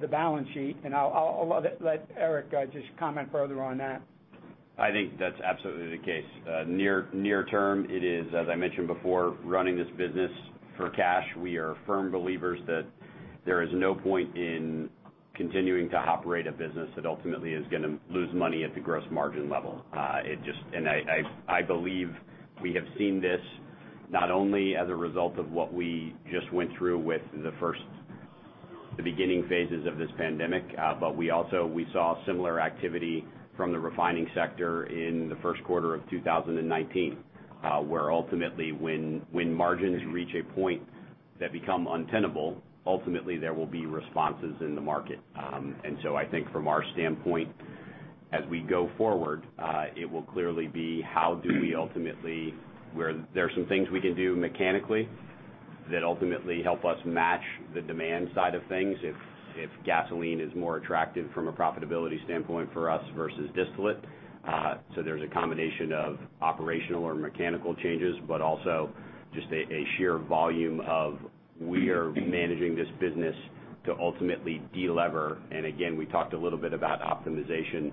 Speaker 3: the balance sheet. I'll let Erik just comment further on that.
Speaker 4: I think that's absolutely the case. Near term, it is, as I mentioned before, running this business for cash. We are firm believers that there is no point in continuing to operate a business that ultimately is going to lose money at the gross margin level. I believe we have seen this not only as a result of what we just went through with the beginning phases of this pandemic, but we also saw similar activity from the refining sector in the first quarter of 2019. Ultimately when margins reach a point that become untenable, ultimately there will be responses in the market. I think from our standpoint, as we go forward, it will clearly be how do we ultimately where there's some things we can do mechanically that ultimately help us match the demand side of things if gasoline is more attractive from a profitability standpoint for us versus distillate. There's a combination of operational or mechanical changes, but also just a sheer volume of we are managing this business to ultimately de-lever. Again, we talked a little bit about optimization,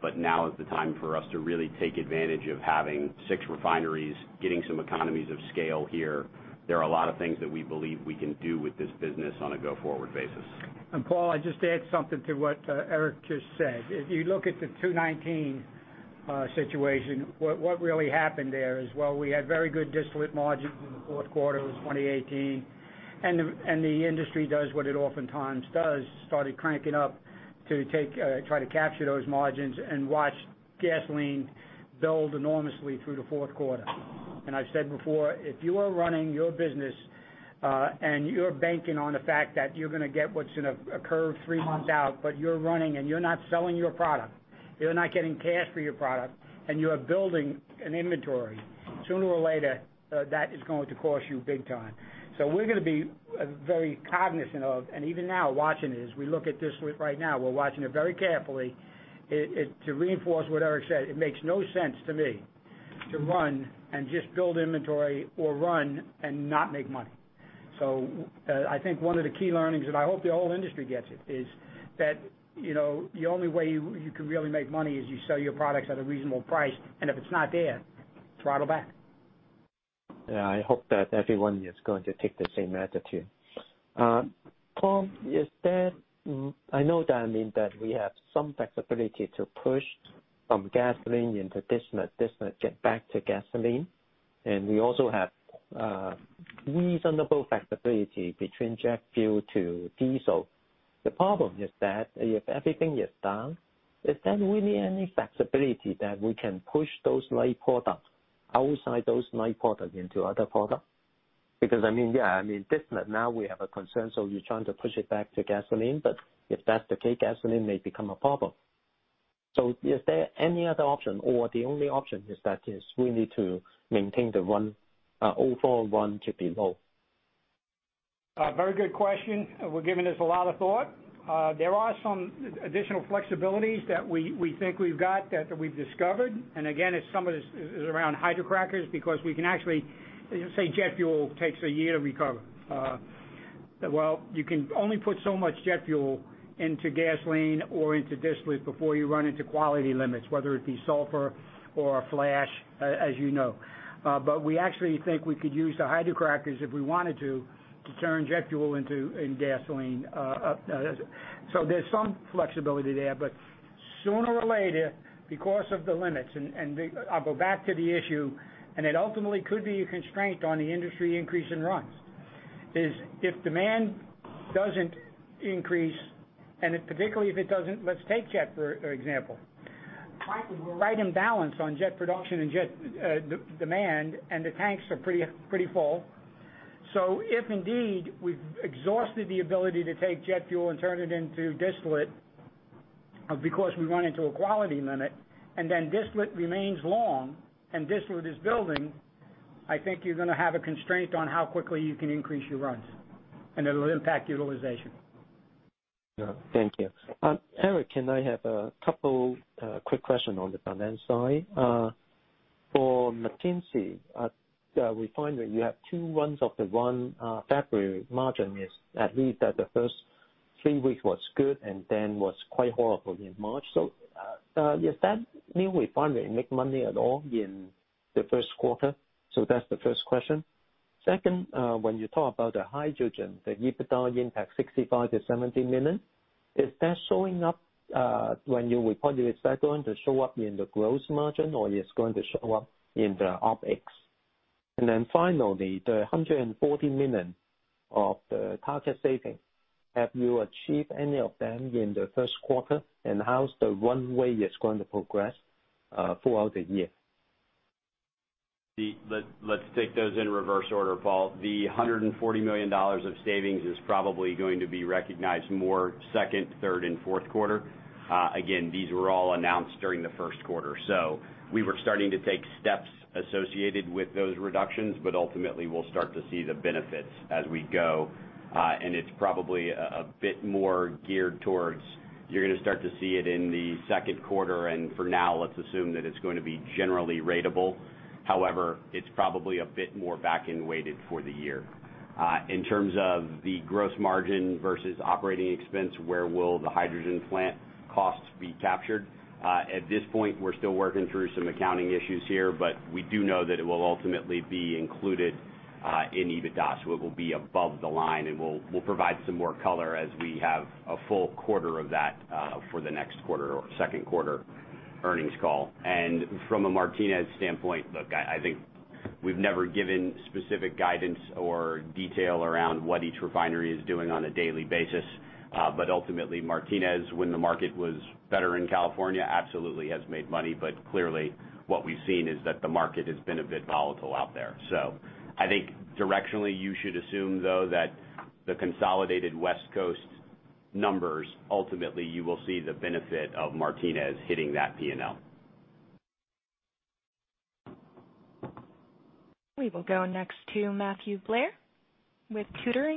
Speaker 4: but now is the time for us to really take advantage of having six refineries, getting some economies of scale here. There are a lot of things that we believe we can do with this business on a go-forward basis.
Speaker 3: Paul, I'd just add something to what Erik just said. If you look at the 2019 situation. What really happened there is, we had very good distillate margins in the fourth quarter of 2018, and the industry does what it oftentimes does, started cranking up to try to capture those margins and watched gasoline build enormously through the fourth quarter. I've said before, if you are running your business, and you're banking on the fact that you're going to get what's going to occur three months out, but you're running and you're not selling your product. You're not getting cash for your product, and you are building an inventory. Sooner or later, that is going to cost you big time. We're going to be very cognizant of, and even now watching it, as we look at this right now, we're watching it very carefully. To reinforce what Erik said, it makes no sense to me to run and just build inventory or run and not make money. I think one of the key learnings, and I hope the whole industry gets it, is that the only way you can really make money is you sell your products at a reasonable price, and if it's not there, throttle back.
Speaker 12: Yeah, I hope that everyone is going to take the same attitude. Tom, I know that we have some flexibility to push from gasoline into distillate, get back to gasoline. We also have reasonable flexibility between jet fuel to diesel. The problem is that if everything is down, is there really any flexibility that we can push those light products outside those light products into other products? Distillate, now we have a concern, so we're trying to push it back to gasoline. If that's the case, gasoline may become a problem. Is there any other option or the only option is that we need to maintain the overall run to be low?
Speaker 3: A very good question. We're giving this a lot of thought. There are some additional flexibilities that we think we've got that we've discovered. Again, some of this is around hydrocrackers because we can actually say jet fuel takes a year to recover. You can only put so much jet fuel into gasoline or into distillate before you run into quality limits, whether it be sulfur or flash, as you know. We actually think we could use the hydrocrackers if we wanted to turn jet fuel into gasoline. There's some flexibility there, but sooner or later, because of the limits, and I'll go back to the issue, and it ultimately could be a constraint on the industry increase in runs, is if demand doesn't increase, and particularly if it doesn't let's take jet fuel, for example. We're right in balance on jet production and jet demand, and the tanks are pretty full. If indeed we've exhausted the ability to take jet fuel and turn it into distillate because we run into a quality limit, and then distillate remains long and distillate is building, I think you're going to have a constraint on how quickly you can increase your runs, and it'll impact utilization.
Speaker 12: Thank you. Erik, can I have a couple quick question on the finance side? For Martinez refinery, you have two runs of the run. February margin is at least at the first three weeks was good and then was quite horrible in March. Does that mean refinery make money at all in the first quarter? That's the first question. Second, when you talk about the hydrogen, the EBITDA impact, $65 million-$70 million, is that showing up when you report your cycle, is that going to show up in the gross margin or it's going to show up in the OpEx? Finally, the $140 million of the target savings, have you achieved any of them in the first quarter? How's the runway is going to progress throughout the year?
Speaker 4: Let's take those in reverse order, Paul. The $140 million of savings is probably going to be recognized more second, third and fourth quarter. Again, these were all announced during the first quarter. We were starting to take steps associated with those reductions, but ultimately, we'll start to see the benefits as we go. It's probably a bit more geared towards, you're going to start to see it in the second quarter, and for now, let's assume that it's going to be generally ratable. However, it's probably a bit more back-end weighted for the year. In terms of the gross margin versus operating expense, where will the hydrogen plant costs be captured? At this point, we're still working through some accounting issues here, but we do know that it will ultimately be included in EBITDA, so it will be above the line, and we'll provide some more color as we have a full quarter of that, for the next quarter or second quarter earnings call. From a Martinez standpoint, look, I think we've never given specific guidance or detail around what each refinery is doing on a daily basis. Ultimately, Martinez, when the market was better in California, absolutely has made money, but clearly what we've seen is that the market has been a bit volatile out there. I think directionally, you should assume, though, that the consolidated West Coast numbers, ultimately, you will see the benefit of Martinez hitting that P&L.
Speaker 1: We will go next to Matthew Blair with Tudor,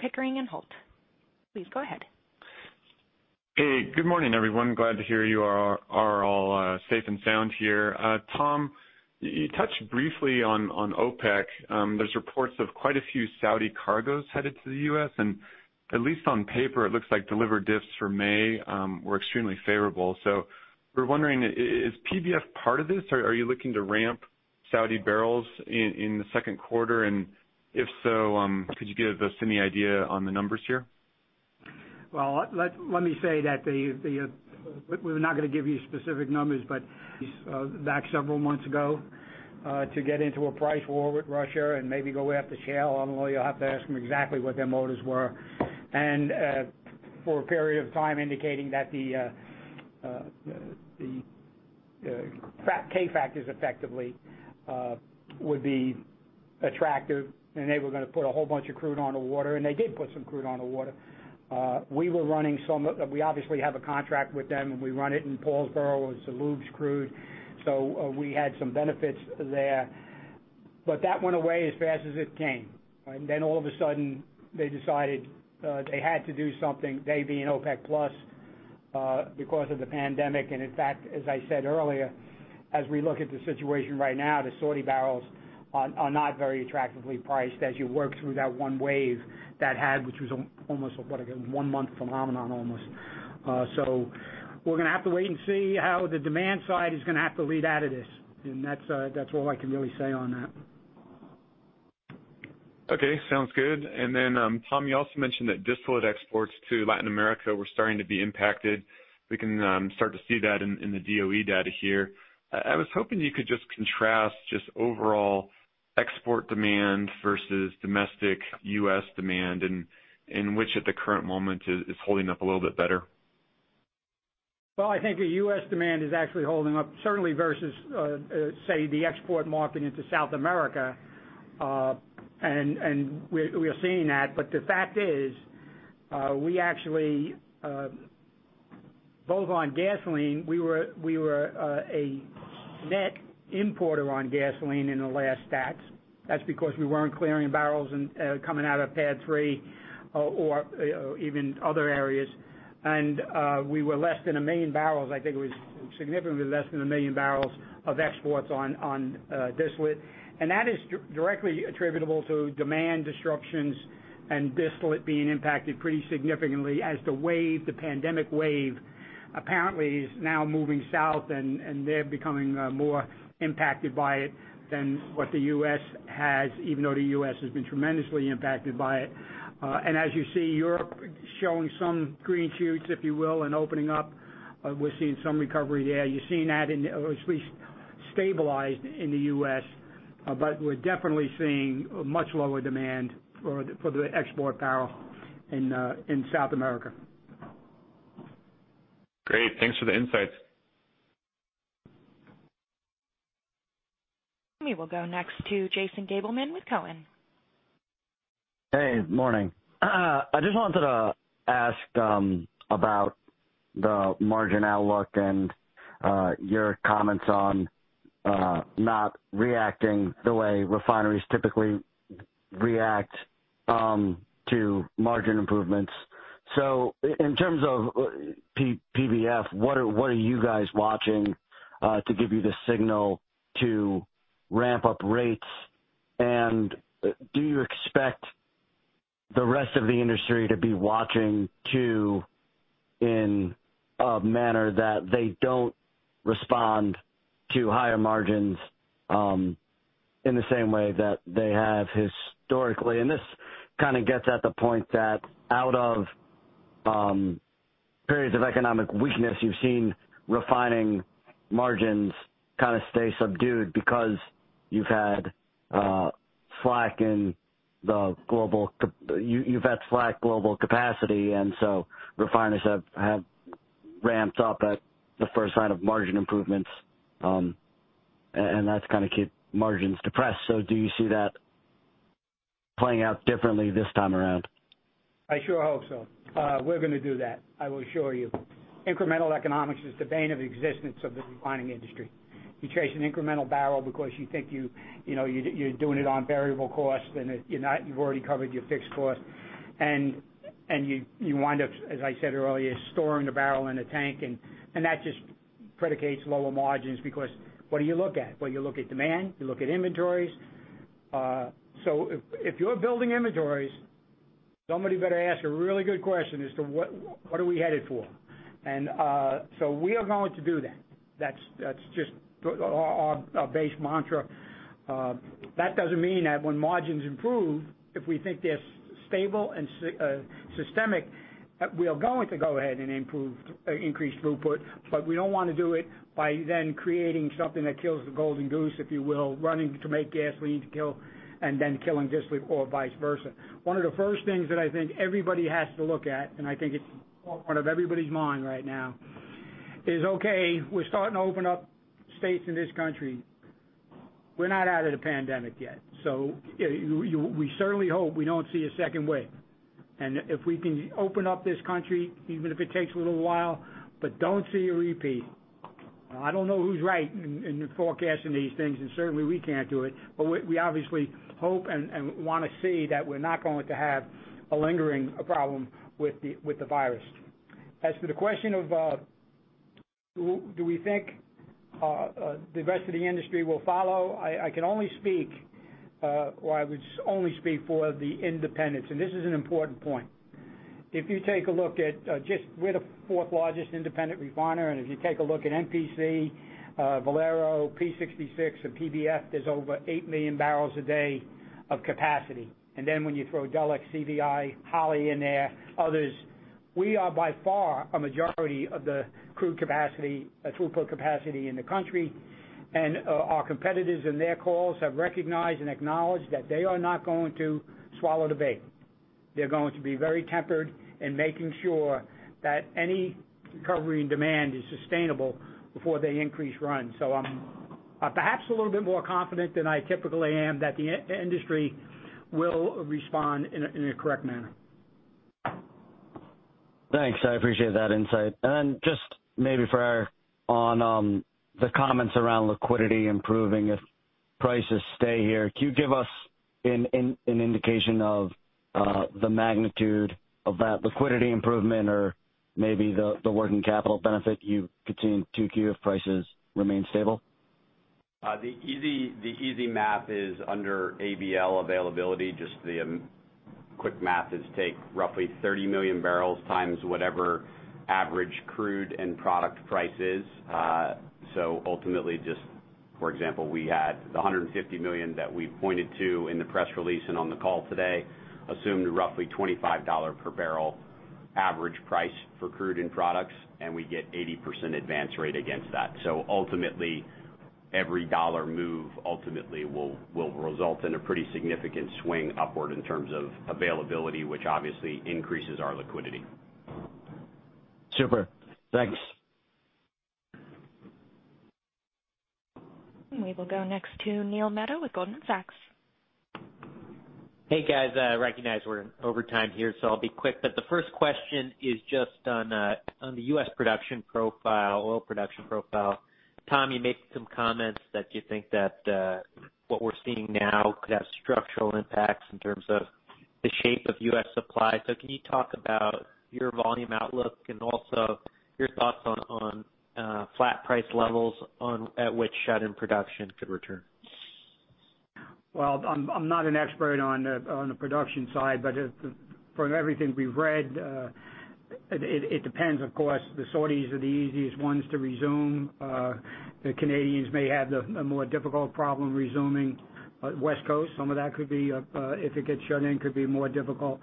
Speaker 1: Pickering, Holt & Co. Please go ahead.
Speaker 13: Hey, good morning, everyone. Glad to hear you are all safe and sound here. Tom, you touched briefly on OPEC. There's reports of quite a few Saudi cargoes headed to the U.S. At least on paper, it looks like delivered diffs for May were extremely favorable. We're wondering, is PBF part of this? Are you looking to ramp Saudi barrels in the second quarter? If so, could you give us any idea on the numbers here?
Speaker 3: Let me say that we're not going to give you specific numbers, back several months ago, to get into a price war with Russia and maybe go after shale, you'll have to ask them exactly what their motives were. For a period of time, indicating that the K factors effectively would be attractive, they were going to put a whole bunch of crude on the water, they did put some crude on the water. We obviously have a contract with them, we run it in Paulsboro. It's the lubes crude. We had some benefits there. That went away as fast as it came. All of a sudden, they decided they had to do something, they being OPEC+, because of the pandemic. In fact, as I said earlier, as we look at the situation right now, the Saudi barrels are not very attractively priced as you work through that one wave that had, which was almost a one-month phenomenon. We're going to have to wait and see how the demand side is going to have to read out of this. That's all I can really say on that.
Speaker 13: Okay, sounds good. Tom, you also mentioned that distillate exports to Latin America were starting to be impacted. We can start to see that in the DOE data here. I was hoping you could just contrast just overall export demand versus domestic U.S. demand, and which at the current moment is holding up a little bit better.
Speaker 3: Well, I think the U.S. demand is actually holding up, certainly versus, say, the export market into South America. We are seeing that. The fact is, both on gasoline, we were a net importer on gasoline in the last stats. That's because we weren't clearing barrels and coming out of PADD 3 or even other areas. We were less than 1 million barrels. I think it was significantly less than 1 million barrels of exports on distillate. That is directly attributable to demand disruptions and distillate being impacted pretty significantly as the wave, the pandemic wave, apparently is now moving south, and they're becoming more impacted by it than what the U.S. has, even though the U.S. has been tremendously impacted by it. As you see, Europe showing some green shoots, if you will, and opening up. We're seeing some recovery there. You're seeing that, or at least stabilized in the U.S., but we're definitely seeing much lower demand for the export barrel in South America.
Speaker 13: Great. Thanks for the insights.
Speaker 1: We will go next to Jason Gabelman with Cowen.
Speaker 14: Hey, morning. I just wanted to ask about the margin outlook and your comments on not reacting the way refineries typically react to margin improvements. In terms of PBF, what are you guys watching to give you the signal to ramp up rates? Do you expect the rest of the industry to be watching too in a manner that they don't respond to higher margins in the same way that they have historically? This kind of gets at the point that out of periods of economic weakness, you've seen refining margins kind of stay subdued because you've had slack global capacity, and so refineries have ramped up at the first sign of margin improvements, and that's kept margins depressed. Do you see that playing out differently this time around?
Speaker 3: I sure hope so. We're going to do that, I will assure you. Incremental economics is the bane of existence of the refining industry. You chase an incremental barrel because you think you're doing it on variable cost, and you've already covered your fixed cost. You wind up, as I said earlier, storing the barrel in a tank, and that just predicates lower margins because what do you look at? Well, you look at demand. You look at inventories. If you're building inventories, somebody better ask a really good question as to what are we headed for. We are going to do that. That's just our base mantra. That doesn't mean that when margins improve, if we think they're stable and systemic, we are going to go ahead and increase throughput, but we don't want to do it by then creating something that kills the golden goose, if you will, running to make gasoline to kill and then killing distillate or vice versa. One of the first things that I think everybody has to look at, and I think it's forefront of everybody's mind right now, is, okay, we're starting to open up states in this country. We're not out of the pandemic yet. We certainly hope we don't see a second wave. If we can open up this country, even if it takes a little while, but don't see a repeat. I don't know who's right in forecasting these things, and certainly we can't do it, but we obviously hope and want to see that we're not going to have a lingering problem with the virus. As to the question of do we think the rest of the industry will follow? I can only speak, or I would only speak for the independents, and this is an important point. We're the fourth largest independent refiner, and if you take a look at MPC, Valero, P66, or PBF, there's over 8 million barrels a day of capacity. Then when you throw Delek, CVI, Holly in there, others, we are by far a majority of the crude capacity, throughput capacity in the country, and our competitors in their calls have recognized and acknowledged that they are not going to swallow the bait. They're going to be very tempered in making sure that any recovery in demand is sustainable before they increase runs. I'm perhaps a little bit more confident than I typically am that the industry will respond in a correct manner.
Speaker 14: Thanks. I appreciate that insight. Then just maybe on the comments around liquidity improving if prices stay here, can you give us an indication of the magnitude of that liquidity improvement or maybe the working capital benefit you continue to queue if prices remain stable?
Speaker 4: The easy math is under ABL availability, just the quick math is take roughly 30 million barrels times whatever average crude and product price is. Ultimately just for example, we had the $150 million that we pointed to in the press release and on the call today, assumed roughly $25 per barrel average price for crude end products, and we get 80% advance rate against that. Ultimately, every dollar move ultimately will result in a pretty significant swing upward in terms of availability, which obviously increases our liquidity.
Speaker 14: Super. Thanks.
Speaker 1: We will go next to Neil Mehta with Goldman Sachs.
Speaker 15: Hey, guys. I recognize we're in overtime here. I'll be quick. The first question is just on the U.S. production profile, oil production profile. Tom, you make some comments that you think that what we're seeing now could have structural impacts in terms of the shape of U.S. supply. Can you talk about your volume outlook and also your thoughts on flat price levels at which shut-in production could return?
Speaker 3: Well, I am not an expert on the production side, but from everything we have read, it depends, of course, the Saudis are the easiest ones to resume. The Canadians may have a more difficult problem resuming. West Coast, some of that could be, if it gets shut in, could be more difficult.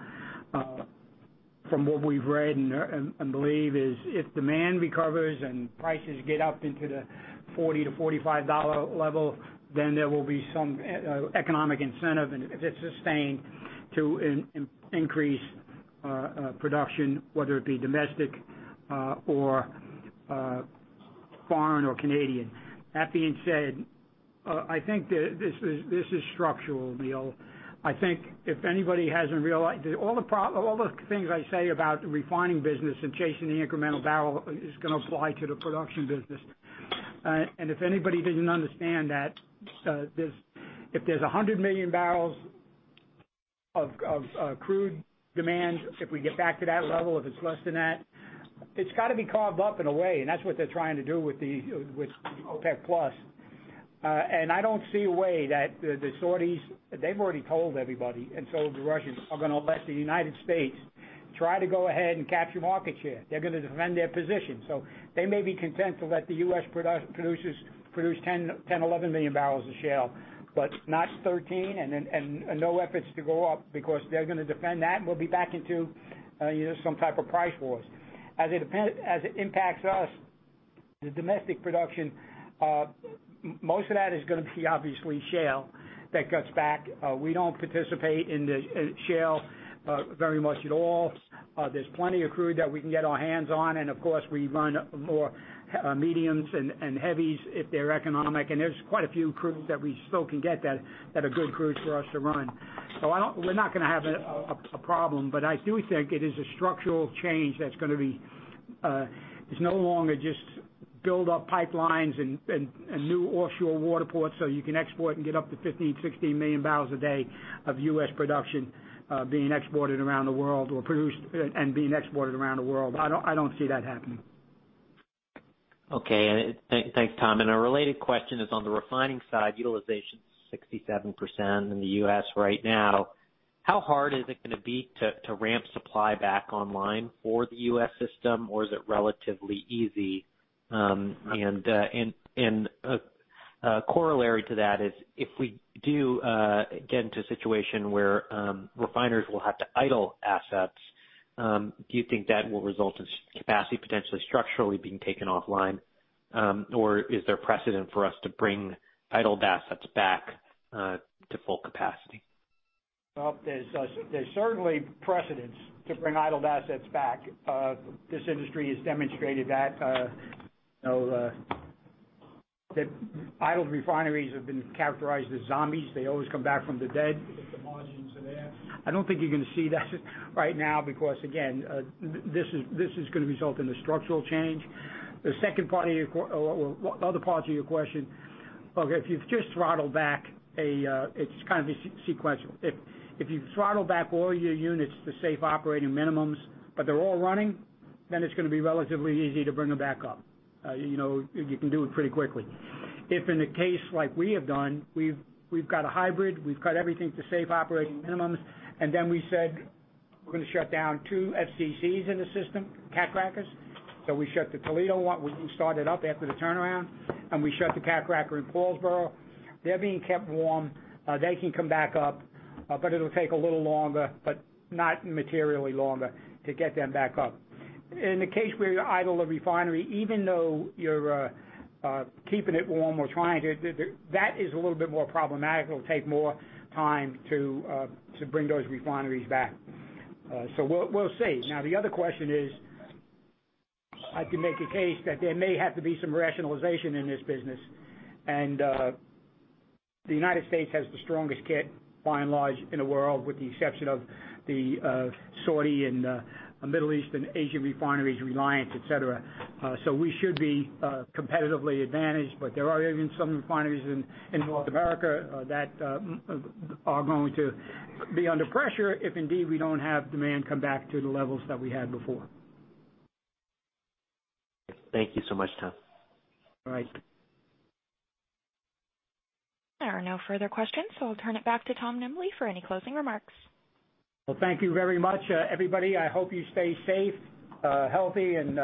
Speaker 3: From what we have read and believe is if demand recovers and prices get up into the $40-$45 level, then there will be some economic incentive, and if it is sustained, to increase production, whether it be domestic or foreign or Canadian. That being said, I think that this is structural, Neil. I think if anybody has not realized all the things I say about the refining business and chasing the incremental barrel is going to apply to the production business. If anybody didn't understand that, if there's 100 million barrels of crude demand, if we get back to that level, if it's less than that, it's got to be carved up in a way. That's what they're trying to do with OPEC+. I don't see a way that the Saudis, they've already told everybody, and so have the Russians, are gonna let the U.S. try to go ahead and capture market share. They're gonna defend their position. They may be content to let the U.S. producers produce 10, 11 million barrels of shale, but not 13 and no efforts to go up because they're gonna defend that, and we'll be back into some type of price wars. As it impacts us, the domestic production, most of that is gonna be obviously shale that cuts back. We don't participate in the shale very much at all. There's plenty of crude that we can get our hands on, and of course, we run more mediums and heavies if they're economic, and there's quite a few crude that we still can get that are good crude for us to run. We're not gonna have a problem, but I do think it is a structural change. It's no longer just build up pipelines and new offshore water ports so you can export and get up to 15, 16 million barrels a day of U.S. production being exported around the world or produced and being exported around the world. I don't see that happening.
Speaker 15: Okay. Thanks, Tom. A related question is on the refining side, utilization is 67% in the U.S. right now. How hard is it gonna be to ramp supply back online for the U.S. system, or is it relatively easy? A corollary to that is if we do get into a situation where refiners will have to idle assets, do you think that will result in capacity potentially structurally being taken offline? Or is there precedent for us to bring idled assets back, to full capacity?
Speaker 3: Well, there's certainly precedence to bring idled assets back. This industry has demonstrated that. The idled refineries have been characterized as zombies. They always come back from the dead if the margins are there. I don't think you're gonna see that right now because, again, this is gonna result in a structural change. The other part to your question, okay, if you've just throttled back, it's kind of sequential. If you throttle back all your units to safe operating minimums, but they're all running, then it's gonna be relatively easy to bring them back up. You can do it pretty quickly. If in a case like we have done, we've got a hybrid, we've cut everything to safe operating minimums, and then we said, we're gonna shut down two FCCs in the system, cat crackers. We shut the Toledo one. We can start it up after the turnaround, and we shut the cat cracker in Paulsboro. They're being kept warm. They can come back up, but it'll take a little longer, but not materially longer to get them back up. In the case where you idle a refinery, even though you're keeping it warm or trying to, that is a little bit more problematic. It'll take more time to bring those refineries back. We'll see. Now, the other question is, I can make a case that there may have to be some rationalization in this business. The United States has the strongest kit by and large in the world, with the exception of the Saudi and Middle Eastern Asian refineries, Reliance, et cetera. We should be competitively advantaged, but there are even some refineries in North America that are going to be under pressure if indeed we don't have demand come back to the levels that we had before.
Speaker 15: Thank you so much, Tom.
Speaker 3: All right.
Speaker 1: There are no further questions, so I'll turn it back to Tom Nimbley for any closing remarks.
Speaker 3: Well, thank you very much, everybody. I hope you stay safe, healthy, and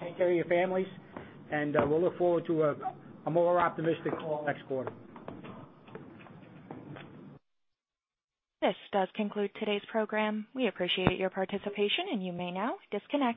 Speaker 3: take care of your families. We'll look forward to a more optimistic call next quarter.
Speaker 1: This does conclude today's program. We appreciate your participation, and you may now disconnect.